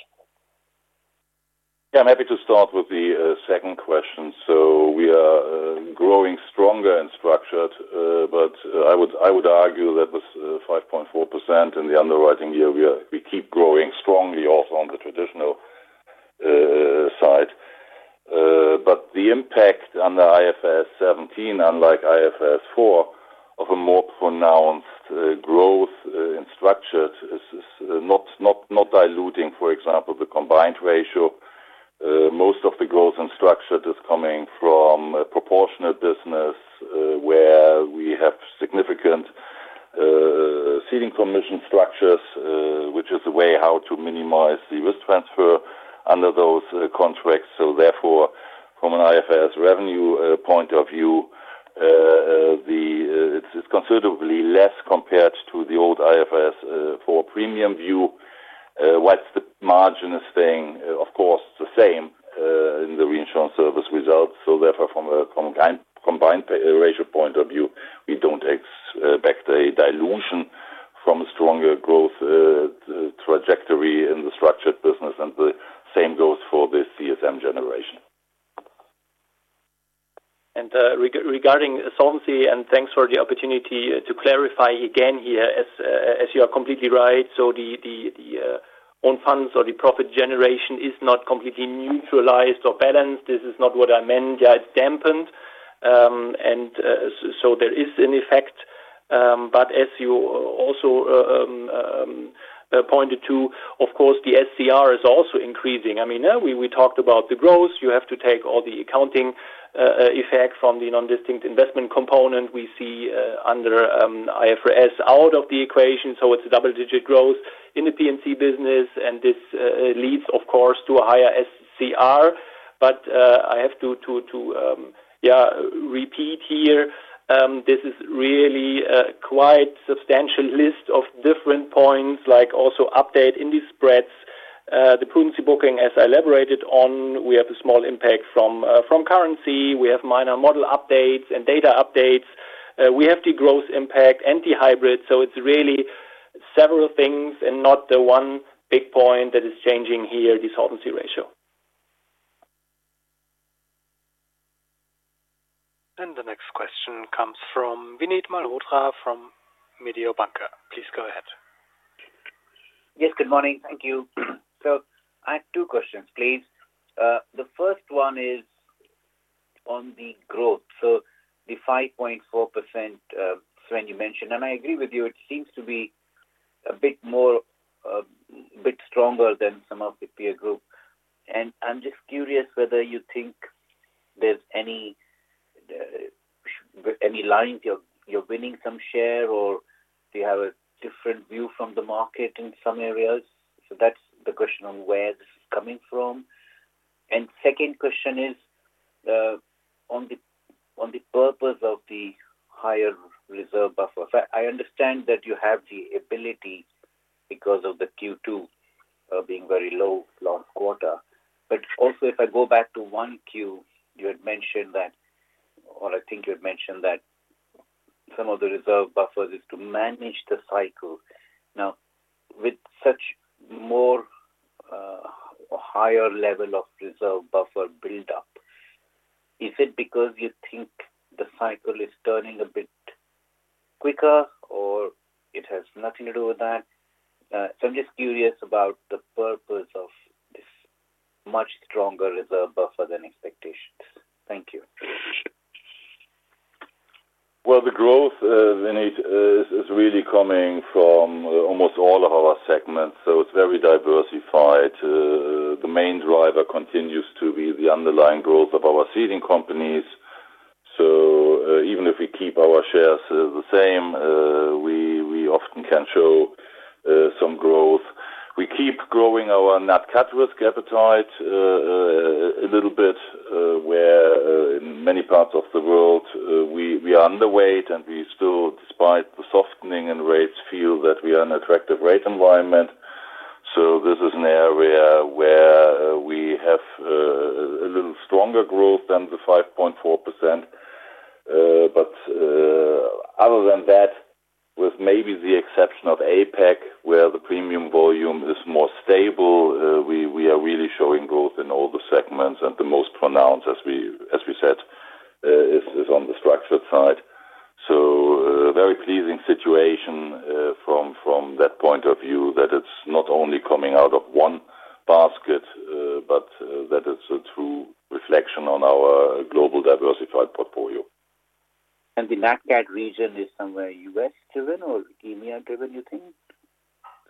Yeah, I'm happy to start with the second question. We are growing stronger in structured, but I would argue that with 5.4% in the underwriting year, we keep growing strongly also on the traditional side. The impact under IFRS 17, unlike IFRS 4, of a more pronounced growth in structured is not diluting. For example, the Combined Ratio, most of the growth in structured is coming from a proportionate business where we have significant seeding permission structures, which is the way how to minimize the risk transfer under those contracts. Therefore, from an IFRS revenue point of view, it's considerably less compared to the old IFRS 4 premium view. Whilst the margin is staying, of course, the same in the reinsurance service results. Therefore, from a Combined Ratio point of view, we don't expect a dilution from a stronger growth trajectory in the structured business. The same goes for the CSM generation. Regarding solvency, and thanks for the opportunity to clarify again here, as you are completely right. The own funds or the profit generation is not completely neutralized or balanced. This is not what I meant. It's dampened, and so there is an effect. As you also pointed to, of course, the FCR is also increasing. I mean, we talked about the growth. You have to take all the accounting effect from the non-distinct investment component we see under IFRS out of the equation. It's a double-digit growth in the P&C business, and this leads, of course, to a higher FCR. I have to repeat here, this is really a quite substantial list of different points, like also update in the spreads. The prudency booking, as I elaborated on, we have a small impact from currency. We have minor model updates and data updates. We have the growth impact and the hybrid. It's really several things and not the one big point that is changing here, the solvency ratio. The next question comes from Vinit Malhotra from Mediobanca. Please go ahead. Yes, good morning. Thank you. I have two questions, please. The first one is on the growth. The 5.4% Sven, you mentioned, and I agree with you, it seems to be a bit more, a bit stronger than some of the peer group. I'm just curious whether you think there's any line you're winning some share, or do you have a different view from the market in some areas? That's the question on where this is coming from. The second question is on the purpose of the higher reserve buffer. I understand that you have the ability because of the Q2 being very low last quarter. If I go back to Q1, you had mentioned that, or I think you had mentioned that some of the reserve buffer is to manage the cycle. Now, with such a more higher level of reserve buffer buildup, is it because you think the cycle is turning a bit quicker, or it has nothing to do with that? I'm just curious about the purpose of this much stronger reserve buffer than expectations. Thank you. The growth, Vinit, is really coming from almost all of our segments. It is very diversified. The main driver continues to be the underlying growth of our ceding companies. Even if we keep our shares the same, we often can show some growth. We keep growing our NatCat risk appetite a little bit, where in many parts of the world, we are underweight, and we still, despite the softening in rates, feel that we are in an attractive rate environment. This is an area where we have a little stronger growth than the 5.4%. Other than that, with maybe the exception of APAC, where the premium volume is more stable, we are really showing growth in all the segments. The most pronounced, as we said, is on the structured side. It is a very pleasing situation from that point of view that it is not only coming out of one basket, but that it is a true reflection on our global diversified portfolio. Is the NASDAQ region more U.S.-driven or EMEA-driven, you think?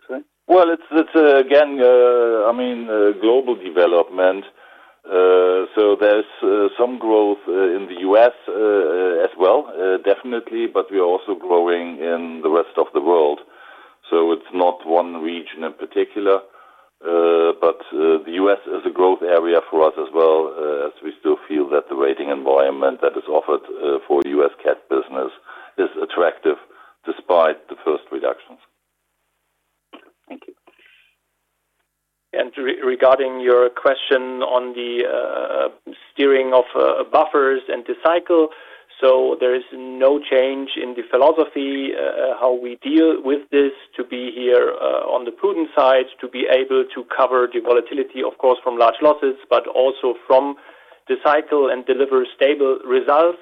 Sven. It's again, I mean, global development. There's some growth in the U.S. as well, definitely, but we are also growing in the rest of the world. It's not one region in particular. The U.S. is a growth area for us as well, as we still feel that the rating environment that is offered for the U.S. CAT business is attractive despite the first reductions. Regarding your question on the steering of buffers and the cycle, there is no change in the philosophy how we deal with this to be here on the prudent side, to be able to cover the volatility, of course, from large losses, but also from the cycle and deliver stable results.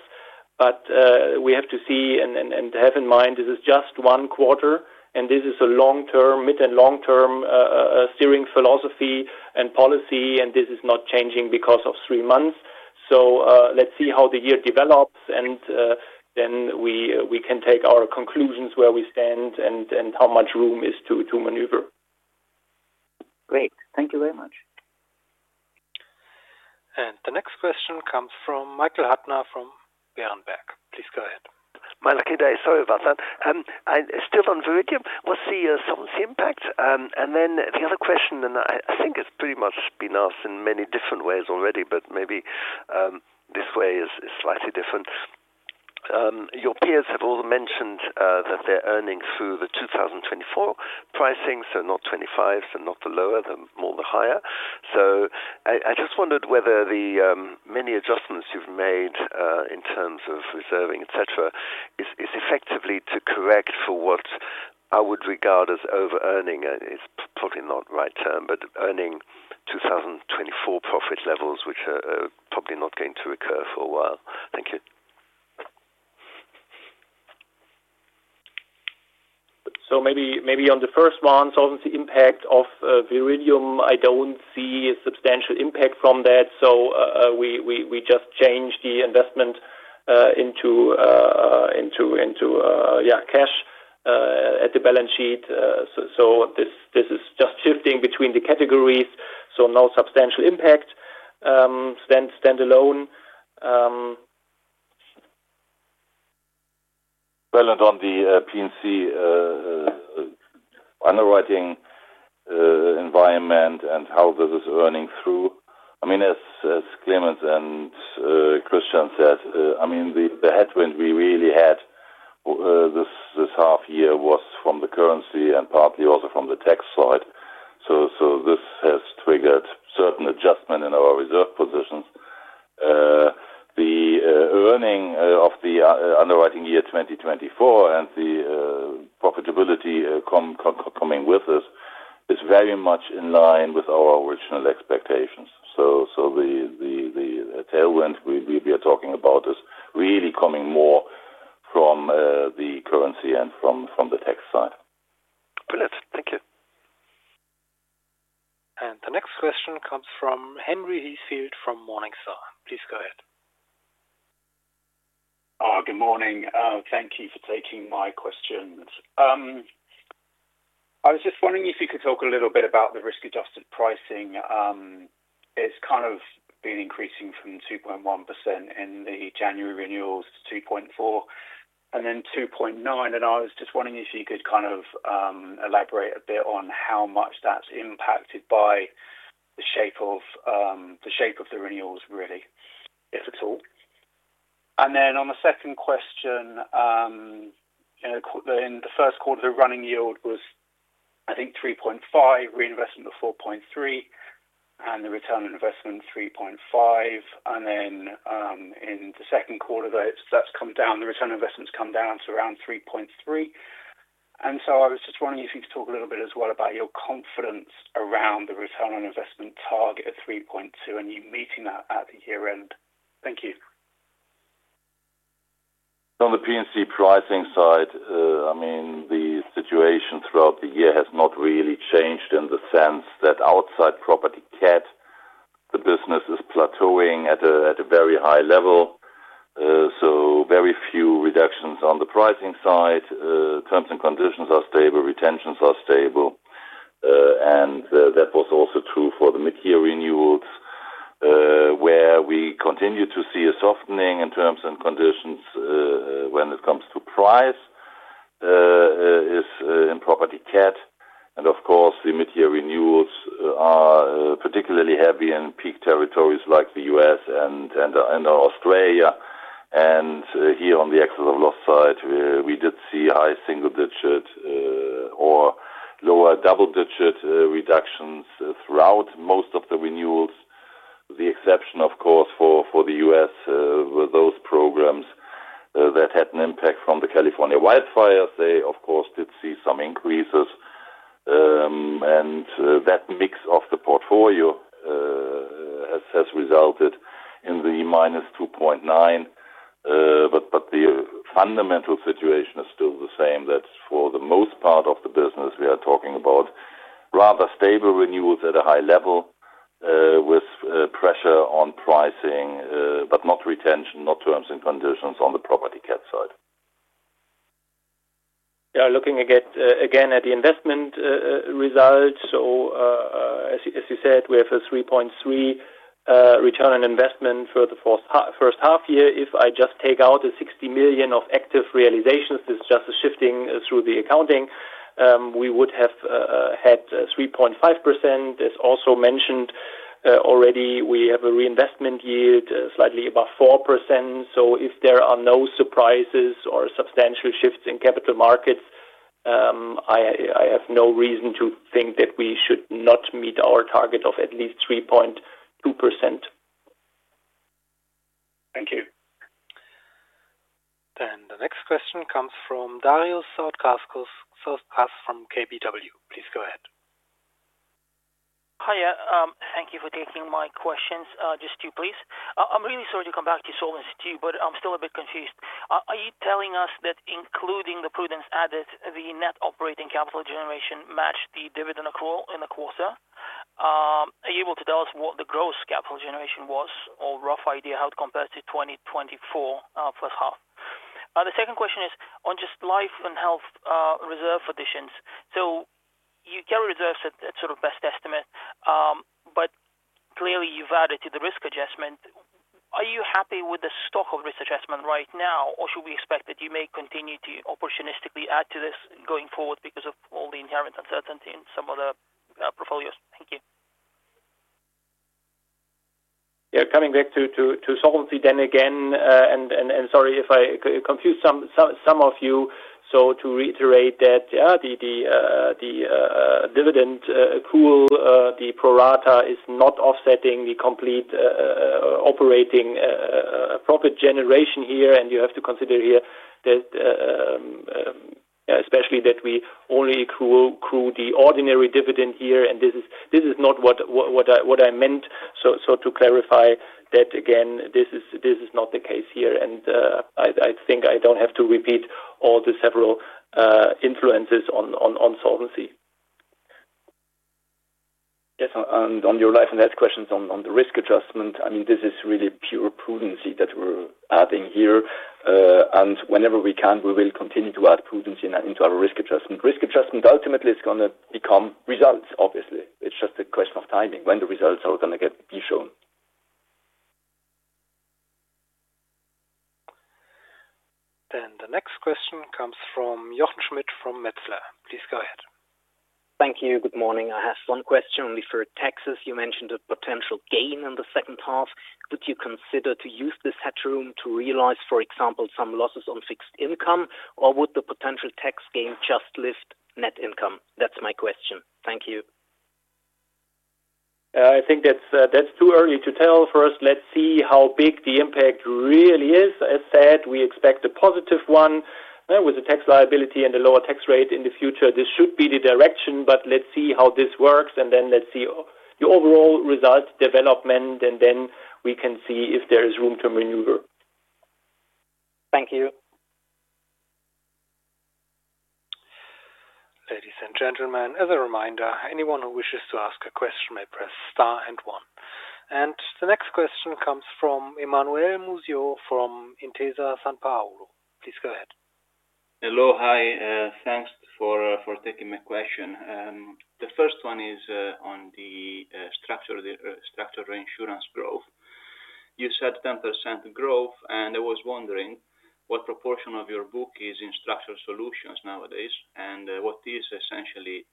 We have to see and have in mind this is just one quarter, and this is a long-term, mid and long-term steering philosophy and policy, and this is not changing because of three months. Let's see how the year develops, and then we can take our conclusions where we stand and how much room is to maneuver. Great. Thank you very much. The next question comes from Michael Huttner from Berenberg. Please go ahead. Okay, sorry about that. I'm still on Viridium. What's the solvency impact? The other question, and I think it's pretty much been asked in many different ways already, but maybe this way is slightly different. Your peers have all mentioned that they're earning through the 2024 pricing, not 2025, so not the lower, the more the higher. I just wondered whether the many adjustments you've made in terms of reserving, et cetera, is effectively to correct for what I would regard as over-earning. It's probably not the right term, but earning 2024 profit levels, which are probably not going to recur for a while. Thank you. On the first one, solvency impact of Viridium, I don't see a substantial impact from that. We just change the investment into cash at the balance sheet. This is just shifting between the categories. No substantial impact standalone. On the P&C underwriting environment and how this is earning through, as Clemens and Christian said, the headwind we really had this half year was from the currency and partly also from the tax side. This has triggered certain adjustments in our reserve positions. The earning of the underwriting year 2024 and the profitability coming with us is very much in line with our original expectations. The tailwind we are talking about is really coming more from the currency and from the tax side. Brilliant. Thank you. The next question comes from Henry Heathfield from Morningstar. Please go ahead. Oh, good morning. Thank you for taking my questions. I was just wondering if you could talk a little bit about the risk-adjusted pricing. It's kind of been increasing from 2.1% in the January renewals to 2.4% and then 2.9%. I was just wondering if you could elaborate a bit on how much that's impacted by the shape of the renewals, really, if at all. On the second question, in the first quarter, the running yield was, I think, 3.5%, reinvestment of 4.3%, and the return on investment 3.5%. In the second quarter, that's come down. The return on investment's come down to around 3.3%. I was just wondering if you could talk a little bit as well about your confidence around the return on investment target of 3.2% and you meeting that at the year-end. Thank you. On the P&C pricing side, I mean, the situation throughout the year has not really changed in the sense that outside property CAT, the business is plateauing at a very high level. Very few reductions on the pricing side. Terms and conditions are stable. Retentions are stable. That was also true for the mid-year renewals, where we continue to see a softening in terms and conditions when it comes to price in property CAT. The mid-year renewals are particularly heavy in peak territories like the U.S. and Australia. Here on the exit of loss side, we did see high single-digit or lower double-digit reductions throughout most of the renewals, with the exception, of course, for the U.S. with those programs that had an impact from the California wildfires. They did see some increases. That mix of the portfolio has resulted in the -2.9%. The fundamental situation is still the same that for the most part of the business, we are talking about rather stable renewals at a high level with pressure on pricing, but not retention, not terms and conditions on the property CAT side. Yeah, looking again at the investment results. As you said, we have a 3.3% return on investment for the first half year. If I just take out the 60 million of active realizations, this is just a shifting through the accounting, we would have had 3.5%. As also mentioned already, we have a reinvestment yield slightly above 4%. If there are no surprises or substantial shifts in capital markets, I have no reason to think that we should not meet our target of at least 3.2%. Thank you. The next question comes from Dario Satkauskas from KBW. Please go ahead. Hi, yeah. Thank you for taking my questions. Just two, please. I'm really sorry to come back to Solvency II, but I'm still a bit confused. Are you telling us that including the prudence added, the net operating capital generation matched the dividend accrual in the quarter? Are you able to tell us what the gross capital generation was or a rough idea how it compares to 2024 first half? The second question is on just Life and Health reserve additions. You carry reserves at sort of best estimate, but clearly you've added to the Risk Adjustment. Are you happy with the stock of Risk Adjustment right now, or should we expect that you may continue to opportunistically add to this going forward because of all the inherent uncertainty in some of the portfolios? Thank you. Coming back to solvency then again, sorry if I confused some of you. To reiterate that, the dividend accrual, the pro rata is not offsetting the complete operating profit generation here. You have to consider here that, especially that we only accrue the ordinary dividend here. This is not what I meant. To clarify that again, this is not the case here. I think I don't have to repeat all the several influences on solvency. Yes, on your life and death questions on the Risk Adjustment, this is really pure prudency that we're adding here. Whenever we can, we will continue to add prudency into our Risk Adjustment. Risk Adjustment ultimately is going to become results, obviously. It's just a question of timing when the results are going to be shown. The next question comes from Jochen Schmidt from Metzler. Please go ahead. Thank you. Good morning. I have one question only for taxes. You mentioned a potential gain in the second half. Did you consider to use this hedge room to realize, for example, some losses on fixed income, or would the potential tax gain just lift net income? That's my question. Thank you. I think that's too early to tell. First, let's see how big the impact really is. As I said, we expect a positive one with the tax liability and the lower tax rate in the future. This should be the direction, but let's see how this works, and then let's see your all. results development, and then we can see if there is room to maneuver. Thank you. Ladies and gentlemen, as a reminder, anyone who wishes to ask a question may press star and one. The next question comes from Emanuele Musiol from Intesa Sanpaolo. Please go ahead. Hello, hi. Thanks for taking my question. The first one is on the structural insurance growth. You said 10% growth, and I was wondering what proportion of your book is in structural solutions nowadays and what is essentially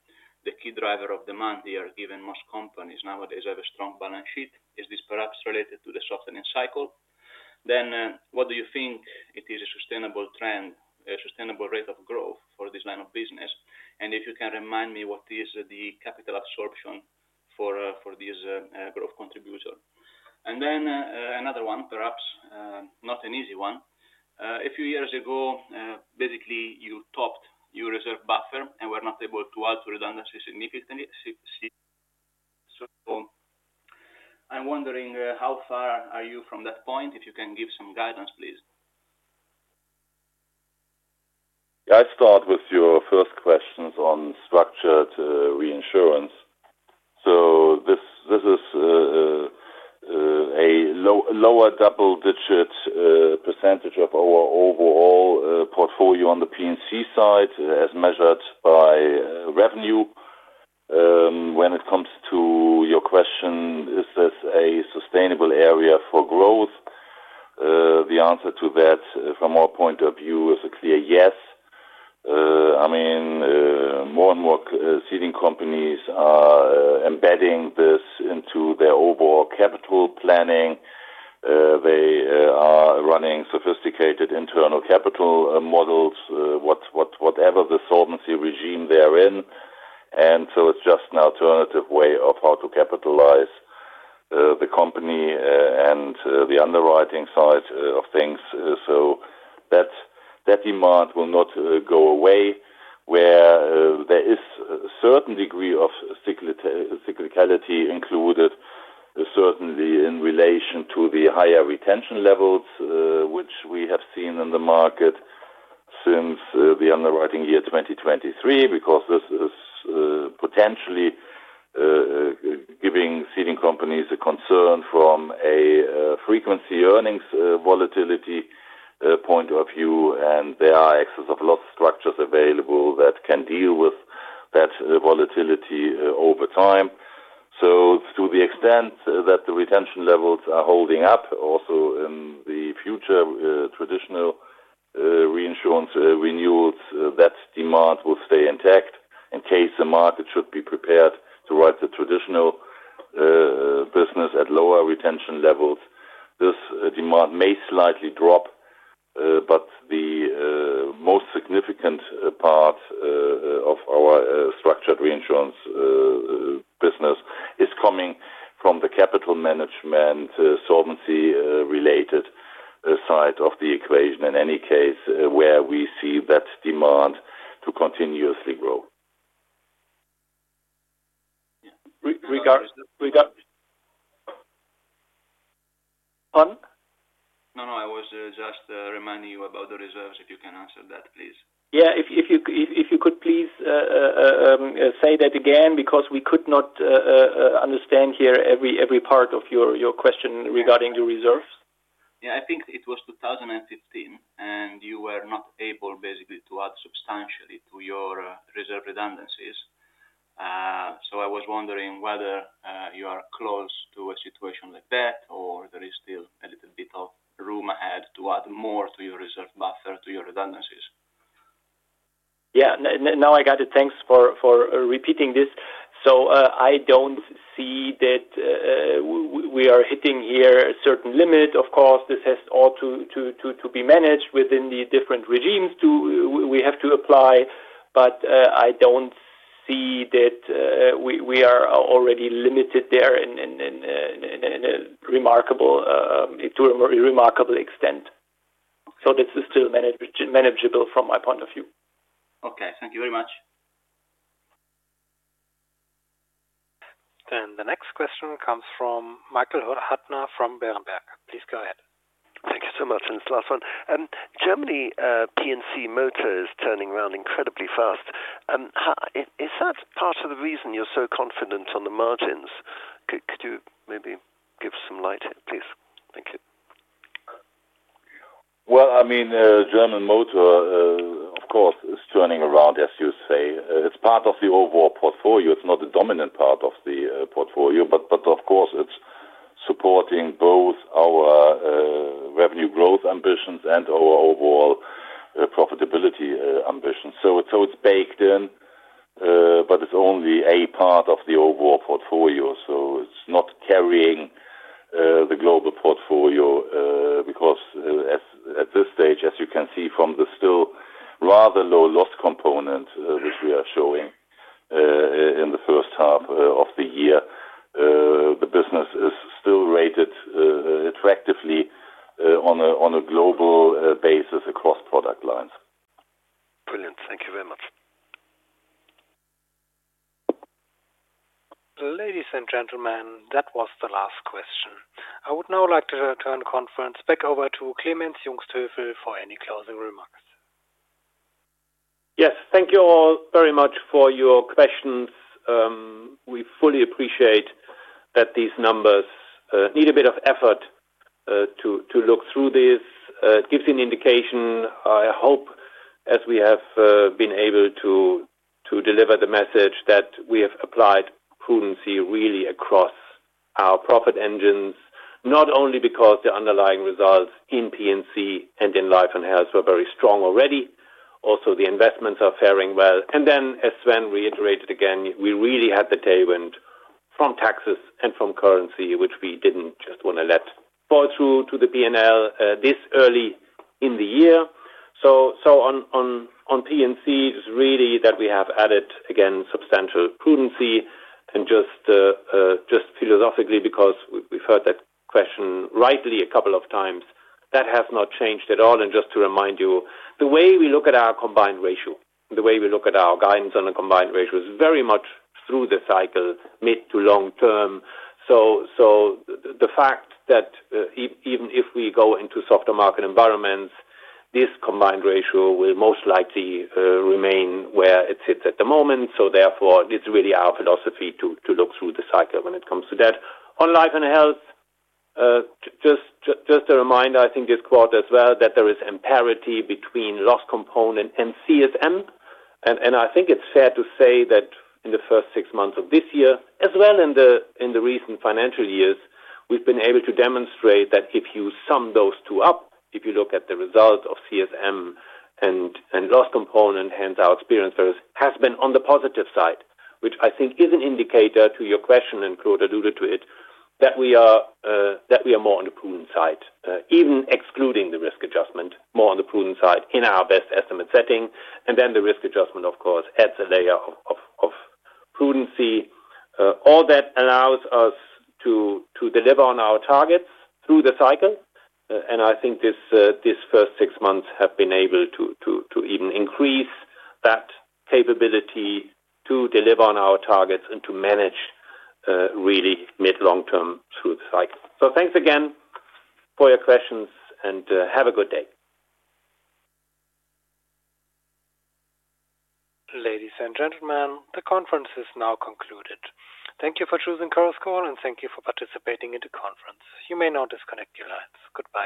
the key driver of demand here given most companies nowadays have a strong balance sheet. Is this perhaps related to the softening cycle? Do you think it is a sustainable trend, a sustainable rate of growth for this line of business? If you can remind me what is the capital absorption for these growth contributors. Another one, perhaps not an easy one. A few years ago, basically, you topped your reserve buffer and were not able to alter redundancy significantly. I'm wondering how far are you from that point. If you can give some guidance, please. Yeah, I start with your first questions on Structured Reinsurance. This is a lower double-digit percentage of our overall portfolio on the P&C side as measured by revenue. When it comes to your question, is this a sustainable area for growth? The answer to that, from our point of view, is a clear yes. I mean, more and more ceding companies are embedding this into their overall capital planning. They are running sophisticated internal capital models, whatever the solvency regime they're in. It's just an alternative way of how to capitalize the company and the underwriting side of things. That demand will not go away, where there is a certain degree of cyclicality included, certainly in relation to the higher retention levels, which we have seen in the market since the underwriting year 2023 because this is potentially giving ceding companies a concern from a frequency earnings volatility point of view. There are excess of loss structures available that can deal with that volatility over time. To the extent that the retention levels are holding up, also in the future traditional reinsurance renewals, that demand will stay intact. In case the market should be prepared to write the traditional business at lower retention levels, this demand may slightly drop, but the most significant part of our Structured Reinsurance business is coming from the capital management solvency-related side of the equation. In any case, we see that demand to continuously grow. Regards... Pardon? No, I was just reminding you about the reserves, if you can answer that, please. Yeah, if you could please say that again, because we could not understand every part of your question regarding your reserves. I think it was 2015 and you were not able basically to add substantially to your reserve redundancies. I was wondering whether you are close to a situation like that or there is still a little bit of room ahead to add more to your reserve buffer to your redundancies. Yeah, now I got it. Thanks for repeating this. I don't see that we are hitting here a certain limit. Of course, this has all to be managed within the different regimes we have to apply, but I don't see that we are already limited there in a remarkable extent. This is still manageable from my point of view. Okay, thank you very much. The next question comes from Michael Huttner from Berenberg. Please go ahead. Thank you so much. Last one, Germany P&C Motor is turning around incredibly fast. Is that part of the reason you're so confident on the margins? Could you maybe give some light here, please? Thank you. German Motor, of course, is turning around, as you say. It's part of the overall portfolio. It's not a dominant part of the portfolio, but of course, it's supporting both our revenue growth ambitions and our overall profitability ambitions. It's baked in, but it's only a part of the overall portfolio. It's not carrying the global portfolio because at this stage, as you can see from the still rather low Loss Component which we are showing in the first half of the year, the business is still rated attractively on a global basis across product lines. Brilliant. Thank you very much. Ladies and gentlemen, that was the last question. I would now like to turn the conference back over to Clemens Jungsthöfel for any closing remarks. Yes, thank you all very much for your questions. We fully appreciate that these numbers need a bit of effort to look through this. It gives you an indication, I hope, as we have been able to deliver the message that we have applied prudency really across our profit engines, not only because the underlying results in P&C and in Life and Health were very strong already. Also, the investments are faring well. As Sven reiterated again, we really had the tailwind from taxes and from currency, which we didn't just want to let fall through to the P&L this early in the year. On Property and Casualty, we have added again substantial prudency and just philosophically because we've heard that question rightly a couple of times. That has not changed at all. Just to remind you, the way we look at our Combined Ratio, the way we look at our guidance on the Combined Ratio is very much through-the-cycle mid to long term. The fact is that even if we go into soft market environments, this Combined Ratio will most likely remain where it sits at the moment. Therefore, it's really our philosophy to look through the cycle when it comes to that. On Life and Health, just a reminder, I think this quarter as well, that there is imparity between Loss Component and CSM. I think it's fair to say that in the first six months of this year as well as in the recent financial years, we've been able to demonstrate that if you sum those two up, if you look at the results of CSM and Loss Component, hence our experience has been on the positive side, which I think is an indicator to your question and Claude alluded to it, that we are more on the prudent side, even excluding the Risk Adjustment, more on the prudent side in our best estimate setting. The Risk Adjustment, of course, adds a layer of prudency. All that allows us to deliver on our targets through the cycle. I think these first six months have been able to even increase that capability to deliver on our targets and to manage really mid-long term through the cycle. Thanks again for your questions and have a good day. Ladies and gentlemen, the conference is now concluded. Thank you for choosing Chorus Call, and thank you for participating in the conference. You may now disconnect your lines. Goodbye.